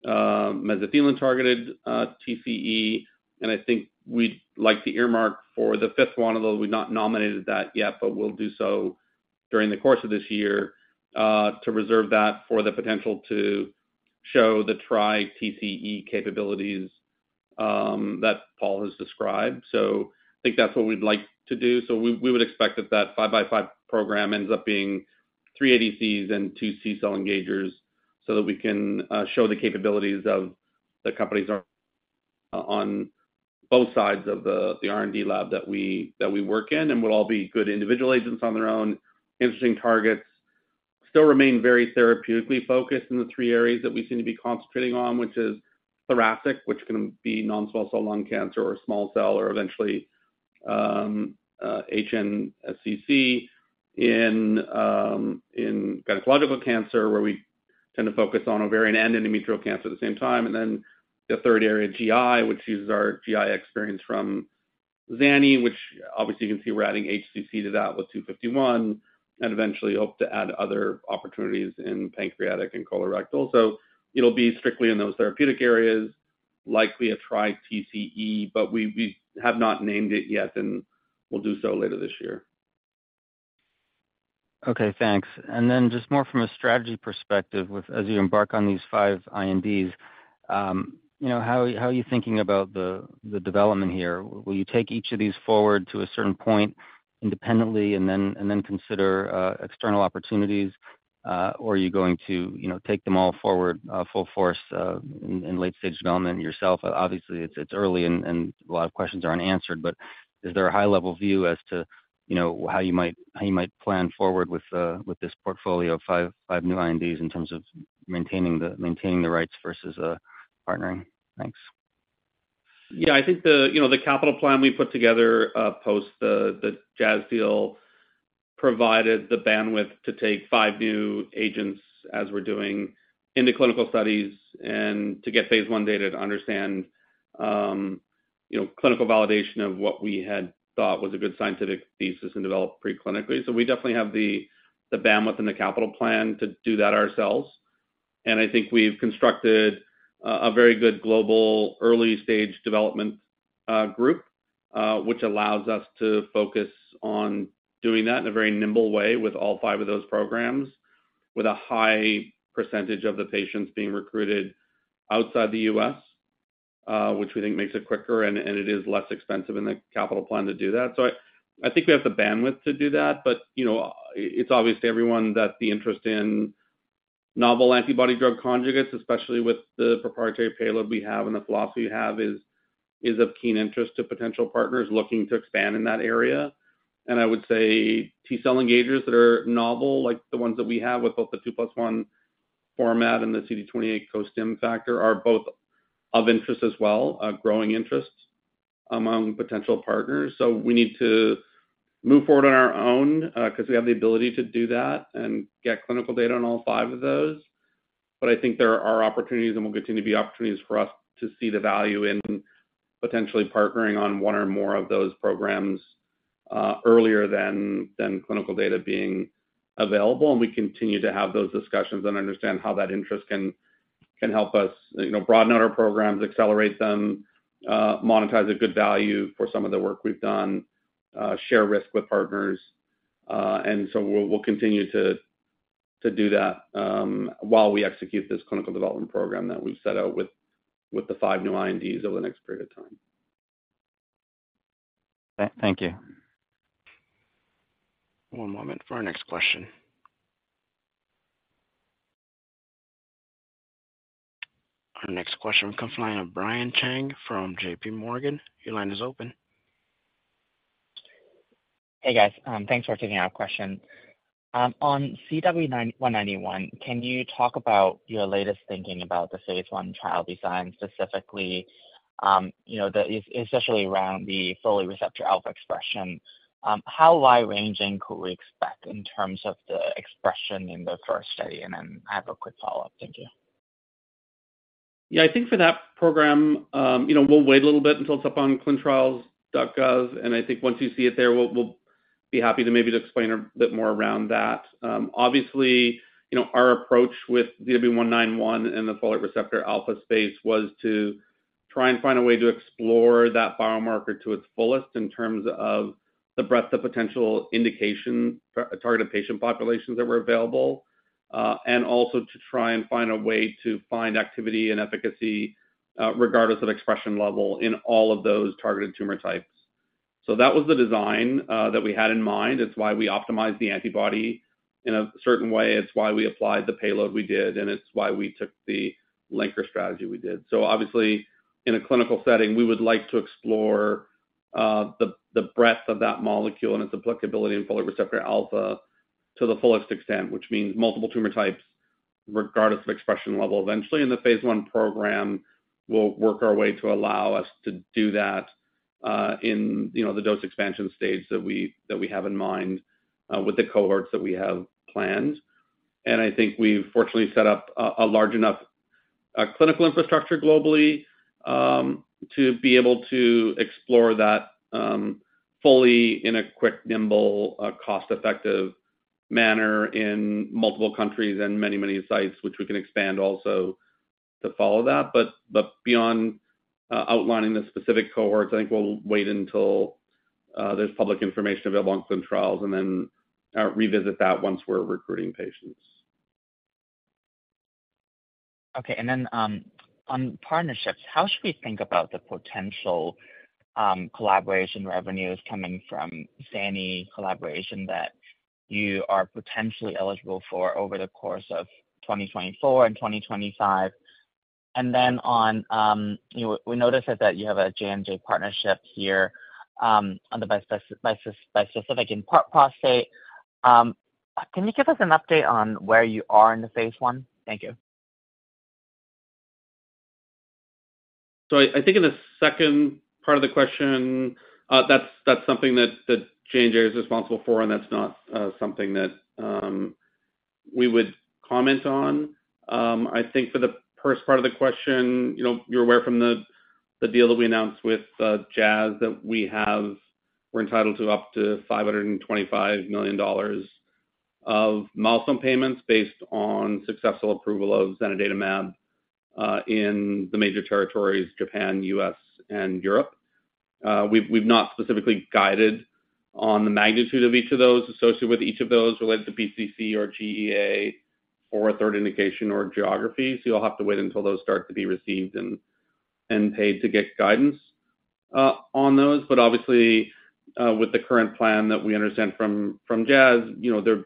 mesothelin-targeted TCE. And I think we'd like to earmark for the fifth one, although we've not nominated that yet, but we'll do so during the course of this year to reserve that for the potential to show the TriTCE capabilities that Paul has described. So I think that's what we'd like to do. We would expect that that 5x5 program ends up being three ADCs and two T-cell engagers so that we can show the capabilities of the company on both sides of the R&D lab that we work in. And they'll all be good individual agents on their own, interesting targets, still remain very therapeutically focused in the three areas that we seem to be concentrating on, which is thoracic, which can be non-small cell lung cancer or small cell or eventually HNSCC, in gynecological cancer where we tend to focus on ovarian and endometrial cancer at the same time. And then the third area, GI, which uses our GI experience from zanidatamab, which obviously, you can see we're adding HCC to that with 251 and eventually hope to add other opportunities in pancreatic and colorectal. It'll be strictly in those therapeutic areas, likely a TriTCE, but we have not named it yet. We'll do so later this year. Okay. Thanks. And then just more from a strategy perspective, as you embark on these five INDs, how are you thinking about the development here? Will you take each of these forward to a certain point independently and then consider external opportunities? Or are you going to take them all forward full force in late-stage development yourself? Obviously, it's early, and a lot of questions are unanswered. But is there a high-level view as to how you might plan forward with this portfolio of five new INDs in terms of maintaining the rights versus partnering? Thanks. Yeah. I think the capital plan we put together post the Jazz deal provided the bandwidth to take five new agents as we're doing into clinical studies and to get phase I data to understand clinical validation of what we had thought was a good scientific thesis and develop preclinically. So we definitely have the bandwidth and the capital plan to do that ourselves. And I think we've constructed a very good global early-stage development group, which allows us to focus on doing that in a very nimble way with all five of those programs, with a high percentage of the patients being recruited outside the U.S., which we think makes it quicker, and it is less expensive in the capital plan to do that. So I think we have the bandwidth to do that. But it's obvious to everyone that the interest in novel antibody-drug conjugates, especially with the proprietary payload we have and the philosophy we have, is of keen interest to potential partners looking to expand in that area. And I would say T-cell engagers that are novel, like the ones that we have with both the 2+1 format and the CD28 co-stim factor, are both of interest as well, a growing interest among potential partners. So we need to move forward on our own because we have the ability to do that and get clinical data on all five of those. But I think there are opportunities, and we'll continue to be opportunities for us to see the value in potentially partnering on one or more of those programs earlier than clinical data being available. We continue to have those discussions and understand how that interest can help us broaden out our programs, accelerate them, monetize a good value for some of the work we've done, share risk with partners. So we'll continue to do that while we execute this clinical development program that we've set out with the 5 new INDs over the next period of time. Thank you. One moment for our next question. Our next question on the front line of Brian Cheng from J.P. Morgan. Your line is open. Hey, guys. Thanks for taking our question. On ZW191, can you talk about your latest thinking about the phase I trial design specifically, especially around the folate receptor alpha expression? How wide-ranging could we expect in terms of the expression in the first study? And then I have a quick follow-up. Thank you. Yeah. I think for that program, we'll wait a little bit until it's up on ClinicalTrials.gov. I think once you see it there, we'll be happy to maybe explain a bit more around that. Obviously, our approach with ZW191 and the folate receptor alpha space was to try and find a way to explore that biomarker to its fullest in terms of the breadth of potential indication, targeted patient populations that were available, and also to try and find a way to find activity and efficacy regardless of expression level in all of those targeted tumor types. So that was the design that we had in mind. It's why we optimized the antibody in a certain way. It's why we applied the payload we did. And it's why we took the linker strategy we did. So obviously, in a clinical setting, we would like to explore the breadth of that molecule and its applicability in folate receptor alpha to the fullest extent, which means multiple tumor types regardless of expression level. Eventually, in the phase I program, we'll work our way to allow us to do that in the dose expansion stage that we have in mind with the cohorts that we have planned. And I think we've fortunately set up a large enough clinical infrastructure globally to be able to explore that fully in a quick, nimble, cost-effective manner in multiple countries and many, many sites, which we can expand also to follow that. But beyond outlining the specific cohorts, I think we'll wait until there's public information available on ClinicalTrials and then revisit that once we're recruiting patients. Okay. And then on partnerships, how should we think about the potential collaboration revenues coming from zanidatamab collaboration that you are potentially eligible for over the course of 2024 and 2025? And then we noticed that you have a J&J partnership here on the bispecific in prostate. Can you give us an update on where you are in the phase I? Thank you. So I think in the second part of the question, that's something that J&J is responsible for, and that's not something that we would comment on. I think for the first part of the question, you're aware from the deal that we announced with Jazz that we're entitled to up to $525 million of milestone payments based on successful approval of zanidatamab in the major territories, Japan, U.S., and Europe. We've not specifically guided on the magnitude of each of those associated with each of those related to BTC or GEA or a third indication or geography. So you'll have to wait until those start to be received and paid to get guidance on those. But obviously, with the current plan that we understand from Jazz, they're.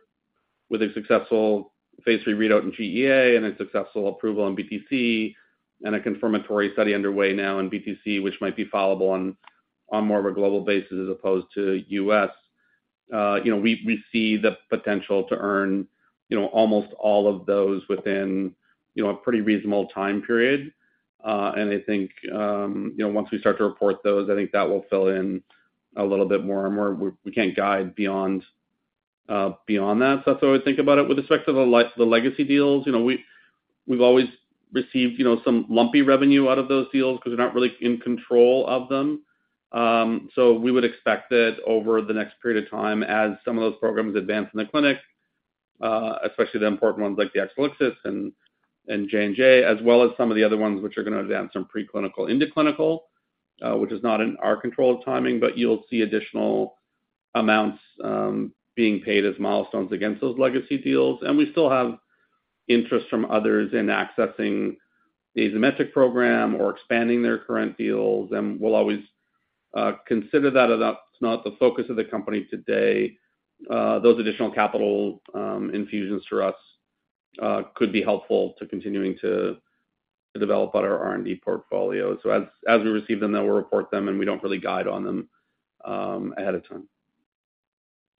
With a successful phase III readout in GEA and a successful approval in BTC and a confirmatory study underway now in BTC, which might be followable on more of a global basis as opposed to U.S. We see the potential to earn almost all of those within a pretty reasonable time period. And I think once we start to report those, I think that will fill in a little bit more and more. We can't guide beyond that. So that's how I would think about it with respect to the legacy deals. We've always received some lumpy revenue out of those deals because we're not really in control of them. So we would expect that over the next period of time, as some of those programs advance in the clinic, especially the important ones like the Exelixis and J&J, as well as some of the other ones which are going to advance from preclinical into clinical, which is not in our control of timing, but you'll see additional amounts being paid as milestones against those legacy deals. We still have interest from others in accessing the Azymetric program or expanding their current deals. We'll always consider that. That's not the focus of the company today. Those additional capital infusions to us could be helpful to continuing to develop out our R&D portfolio. As we receive them, then we'll report them, and we don't really guide on them ahead of time.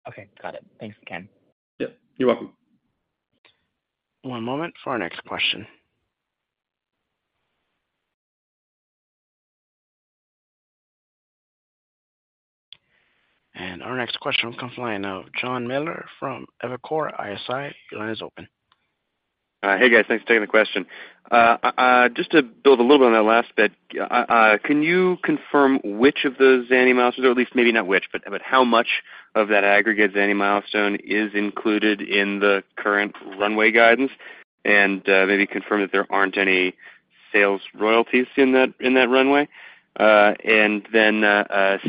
Okay. Got it. Thanks, Ken. Yeah. You're welcome. One moment for our next question. Our next question on the front line of Jonathan Miller from Evercore ISI. Your line is open. Hey, guys. Thanks for taking the question. Just to build a little bit on that last bit, can you confirm which of the zanidatamab milestones or at least maybe not which, but how much of that aggregate zanidatamab milestone is included in the current runway guidance and maybe confirm that there aren't any sales royalties in that runway? And then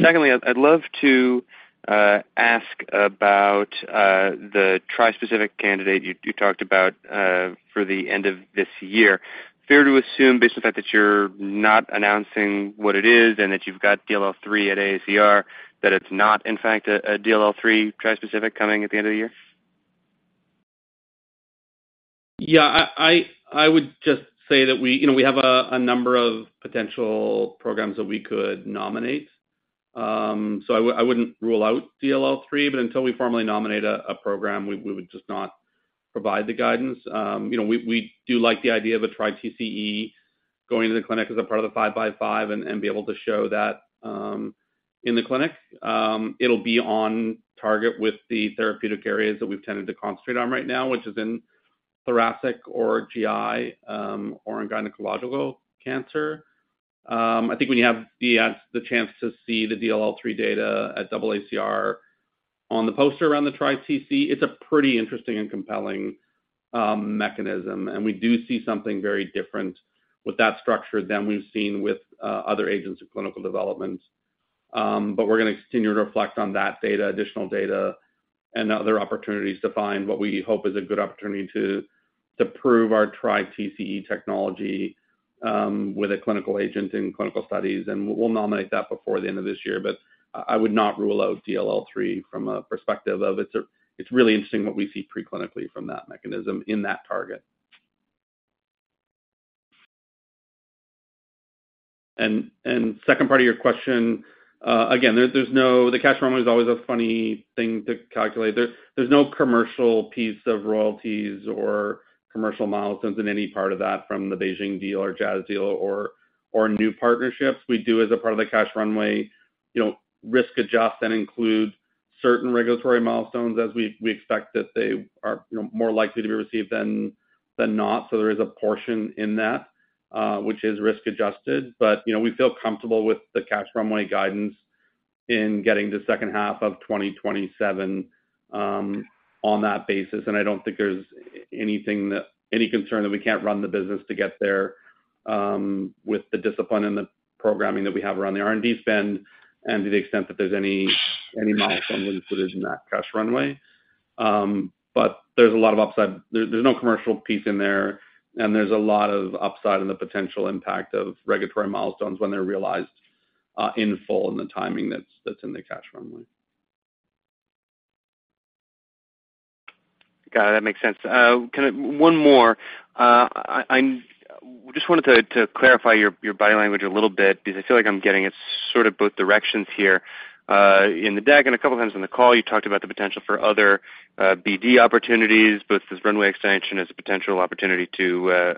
secondly, I'd love to ask about the tri-specific candidate you talked about for the end of this year. Fair to assume, based on the fact that you're not announcing what it is and that you've got DLL3 at AACR, that it's not, in fact, a DLL3 tri-specific coming at the end of the year? Yeah. I would just say that we have a number of potential programs that we could nominate. So I wouldn't rule out DLL3. But until we formally nominate a program, we would just not provide the guidance. We do like the idea of a TriTCE going into the clinic as a part of the 5x5 and be able to show that in the clinic. It'll be on target with the therapeutic areas that we've tended to concentrate on right now, which is in thoracic or GI or in gynecological cancer. I think when you have the chance to see the DLL3 data at AACR on the poster around the TriTCE, it's a pretty interesting and compelling mechanism. And we do see something very different with that structure than we've seen with other agents of clinical development. But we're going to continue to reflect on that data, additional data, and other opportunities to find what we hope is a good opportunity to prove our TriTCE technology with a clinical agent in clinical studies. And we'll nominate that before the end of this year. But I would not rule out DLL3 from a perspective of it's really interesting what we see preclinically from that mechanism in that target. And second part of your question, again, the cash runway is always a funny thing to calculate. There's no commercial piece of royalties or commercial milestones in any part of that from the BeiGene deal or Jazz deal or new partnerships. We do, as a part of the cash runway, risk-adjust and include certain regulatory milestones as we expect that they are more likely to be received than not. So there is a portion in that which is risk-adjusted. But we feel comfortable with the cash runway guidance in getting to second half of 2027 on that basis. And I don't think there's any concern that we can't run the business to get there with the discipline and the programming that we have around the R&D spend and to the extent that there's any milestones included in that cash runway. But there's a lot of upside. There's no commercial piece in there. And there's a lot of upside in the potential impact of regulatory milestones when they're realized in full and the timing that's in the cash runway. Got it. That makes sense. One more. I just wanted to clarify your body language a little bit because I feel like I'm getting it's sort of both directions here. In the deck and a couple of times on the call, you talked about the potential for other BD opportunities, both this runway extension as a potential opportunity to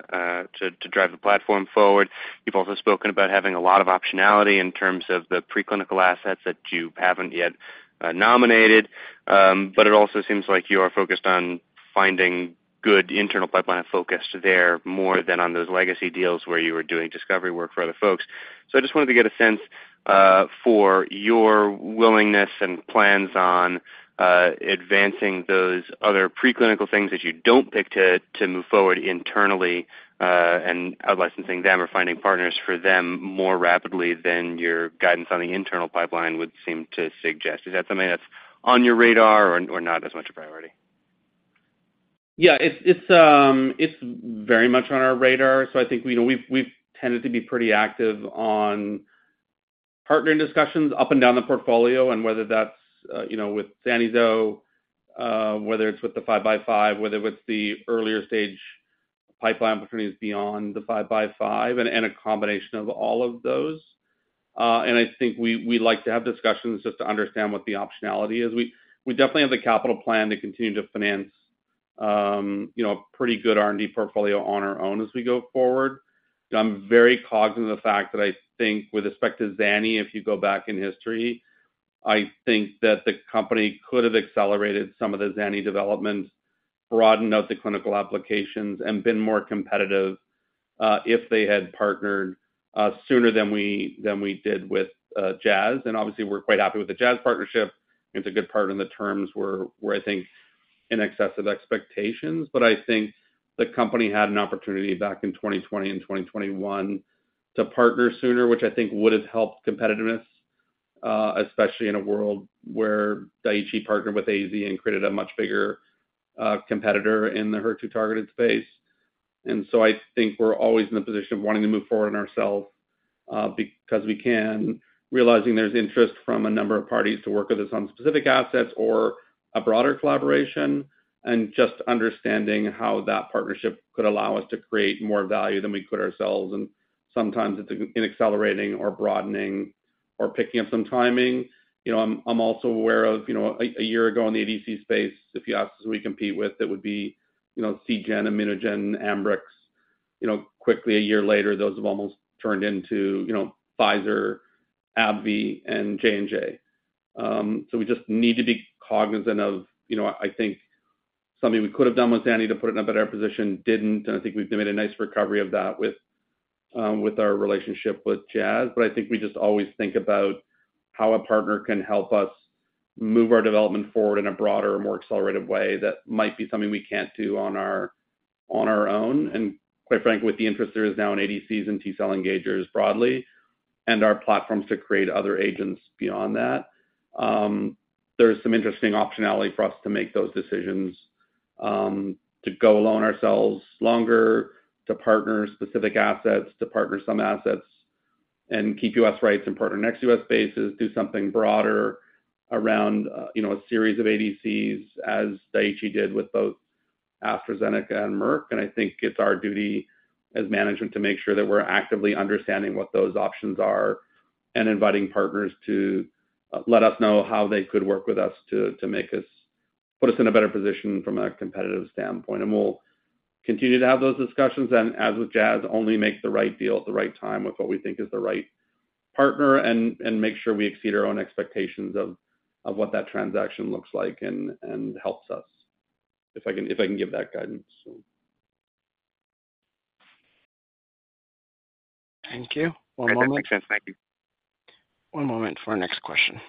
drive the platform forward. You've also spoken about having a lot of optionality in terms of the preclinical assets that you haven't yet nominated. But it also seems like you are focused on finding good internal pipeline of focus there more than on those legacy deals where you were doing discovery work for other folks. I just wanted to get a sense for your willingness and plans on advancing those other preclinical things that you don't pick to move forward internally and outlicensing them or finding partners for them more rapidly than your guidance on the internal pipeline would seem to suggest. Is that something that's on your radar or not as much a priority? Yeah. It's very much on our radar. So I think we've tended to be pretty active on partnering discussions up and down the portfolio and whether that's with Zani, whether it's with the 5x5, whether it's the earlier stage pipeline opportunities beyond the 5x5, and a combination of all of those. And I think we like to have discussions just to understand what the optionality is. We definitely have the capital plan to continue to finance a pretty good R&D portfolio on our own as we go forward. I'm very cognizant of the fact that I think with respect to Zani, if you go back in history, I think that the company could have accelerated some of the Zani development, broadened out the clinical applications, and been more competitive if they had partnered sooner than we did with Jazz. And obviously, we're quite happy with the Jazz partnership. It's a good partner in the terms where I think in excessive expectations. But I think the company had an opportunity back in 2020 and 2021 to partner sooner, which I think would have helped competitiveness, especially in a world where Daiichi partnered with AZ and created a much bigger competitor in the HER2-targeted space. And so I think we're always in the position of wanting to move forward on ourselves because we can, realizing there's interest from a number of parties to work with us on specific assets or a broader collaboration and just understanding how that partnership could allow us to create more value than we could ourselves. And sometimes it's in accelerating or broadening or picking up some timing. I'm also aware of a year ago in the ADC space, if you asked who we compete with, it would be Seagen, ImmunoGen, Ambrx. Quickly a year later, those have almost turned into Pfizer, AbbVie, and J&J. So we just need to be cognizant of, I think, something we could have done with zanidatamab to put it in a better position didn't. And I think we've made a nice recovery of that with our relationship with Jazz. But I think we just always think about how a partner can help us move our development forward in a broader, more accelerated way that might be something we can't do on our own. Quite frankly, with the interest there is now in ADCs and T-cell engagers broadly and our platforms to create other agents beyond that, there's some interesting optionality for us to make those decisions to go alone ourselves longer, to partner specific assets, to partner some assets, and keep U.S. rights and partner ex-U.S. bases, do something broader around a series of ADCs as Daiichi did with both AstraZeneca and Merck. And I think it's our duty as management to make sure that we're actively understanding what those options are and inviting partners to let us know how they could work with us to put us in a better position from a competitive standpoint. We'll continue to have those discussions and, as with Jazz, only make the right deal at the right time with what we think is the right partner and make sure we exceed our own expectations of what that transaction looks like and helps us, if I can give that guidance, so. Thank you. One moment. That makes sense. Thank you. One moment for our next question.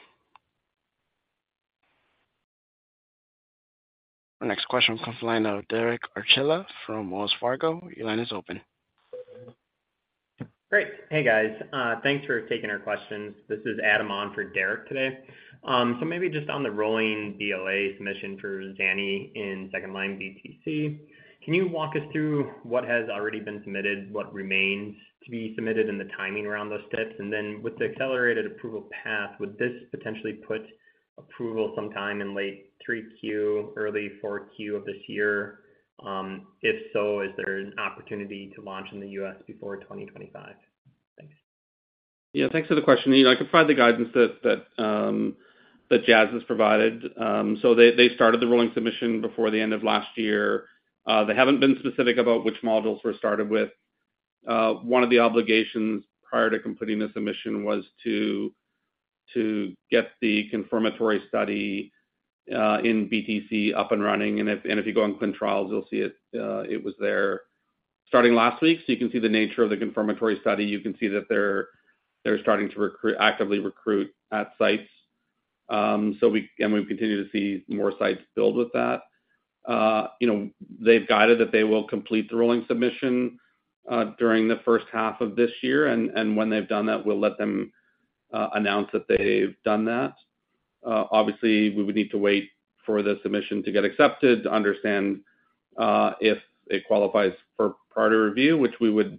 Our next question comes from the line of Derek Archila from Wells Fargo. Your line is open. Great. Hey, guys. Thanks for taking our questions. This is Adam on for Derek today. So maybe just on the rolling BLA submission for zanidatamab in second-line BTC, can you walk us through what has already been submitted, what remains to be submitted, and the timing around those steps? And then with the accelerated approval path, would this potentially put approval sometime in late 3Q, early 4Q of this year? If so, is there an opportunity to launch in the U.S. before 2025? Thanks. Yeah. Thanks for the question. I could provide the guidance that Jazz has provided. So they started the rolling submission before the end of last year. They haven't been specific about which modules were started with. One of the obligations prior to completing the submission was to get the confirmatory study in BTC up and running. And if you go on ClinicalTrials.gov, you'll see it was there starting last week. So you can see the nature of the confirmatory study. You can see that they're starting to actively recruit at sites. And we've continued to see more sites build with that. They've guided that they will complete the rolling submission during the first half of this year. And when they've done that, we'll let them announce that they've done that. Obviously, we would need to wait for the submission to get accepted to understand if it qualifies for priority review, which we would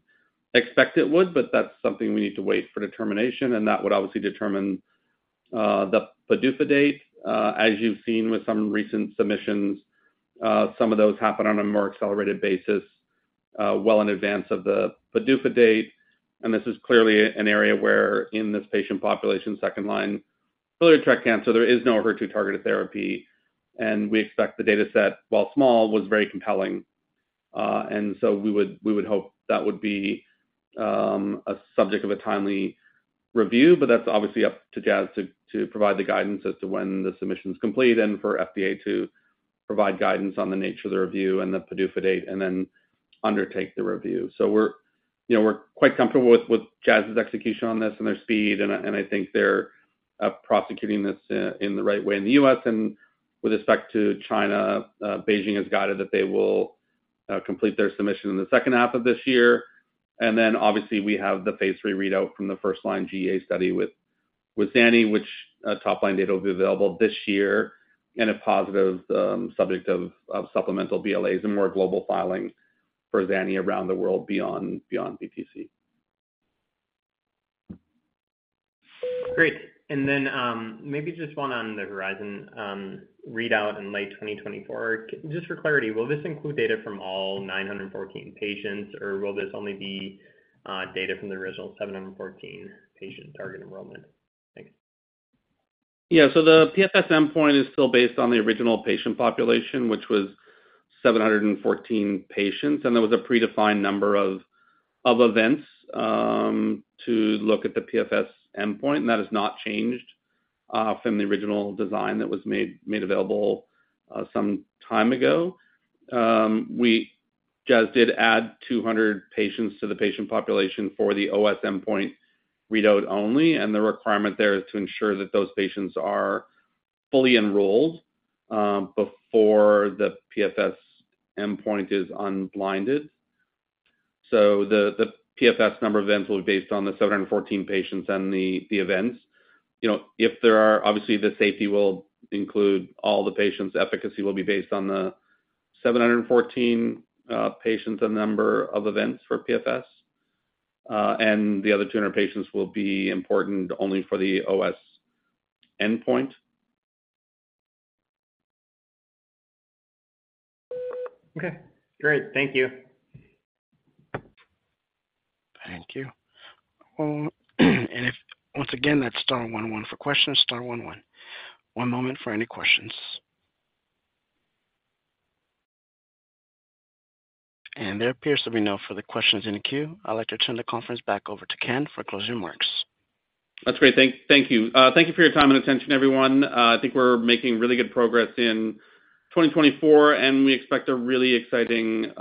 expect it would. That's something we need to wait for determination. That would obviously determine the PDUFA date. As you've seen with some recent submissions, some of those happen on a more accelerated basis well in advance of the PDUFA date. This is clearly an area where in this patient population, second-line biliary tract cancer, there is no HER2-targeted therapy. We expect the dataset, while small, was very compelling. So we would hope that would be a subject of a timely review. That's obviously up to Jazz to provide the guidance as to when the submission's complete and for FDA to provide guidance on the nature of the review and the PDUFA date and then undertake the review. So we're quite comfortable with Jazz's execution on this and their speed. And I think they're prosecuting this in the right way in the US. And with respect to China, BeiGene has guided that they will complete their submission in the second half of this year. And then obviously, we have the phase III readout from the first-line GEA study with zanidatamab, which top-line data will be available this year and a positive subject of supplemental BLAs and more global filing for zanidatamab around the world beyond BTC. Great. And then maybe just one on the HERIZON readout in late 2024. Just for clarity, will this include data from all 914 patients, or will this only be data from the original 714 patient target enrollment? Thanks. Yeah. So the PFS endpoint is still based on the original patient population, which was 714 patients. There was a predefined number of events to look at the PFS endpoint. That has not changed from the original design that was made available some time ago. Jazz did add 200 patients to the patient population for the OS endpoint readout only. The requirement there is to ensure that those patients are fully enrolled before the PFS endpoint is unblinded. So the PFS number of events will be based on the 714 patients and the events. Obviously, the safety will include all the patients. Efficacy will be based on the 714 patients and number of events for PFS. The other 200 patients will be important only for the OS endpoint. Okay. Great. Thank you. Thank you. And once again, that's star one one for questions, star one one. One moment for any questions. And there appears to be no further questions in the queue. I'd like to turn the conference back over to Ken for closing remarks. That's great. Thank you. Thank you for your time and attention, everyone. I think we're making really good progress in 2024, and we expect a really exciting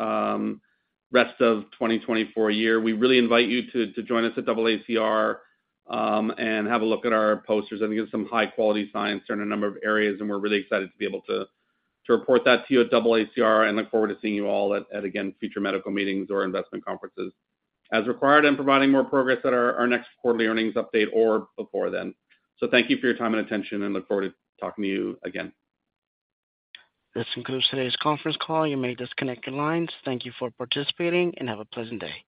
rest of 2024 year. We really invite you to join us at AACR and have a look at our posters. I think it's some high-quality science in a number of areas. We're really excited to be able to report that to you at AACR and look forward to seeing you all at, again, future medical meetings or investment conferences as required and providing more progress at our next quarterly earnings update or before then. So thank you for your time and attention, and look forward to talking to you again. This concludes today's conference call. You may disconnect your lines. Thank you for participating, and have a pleasant day.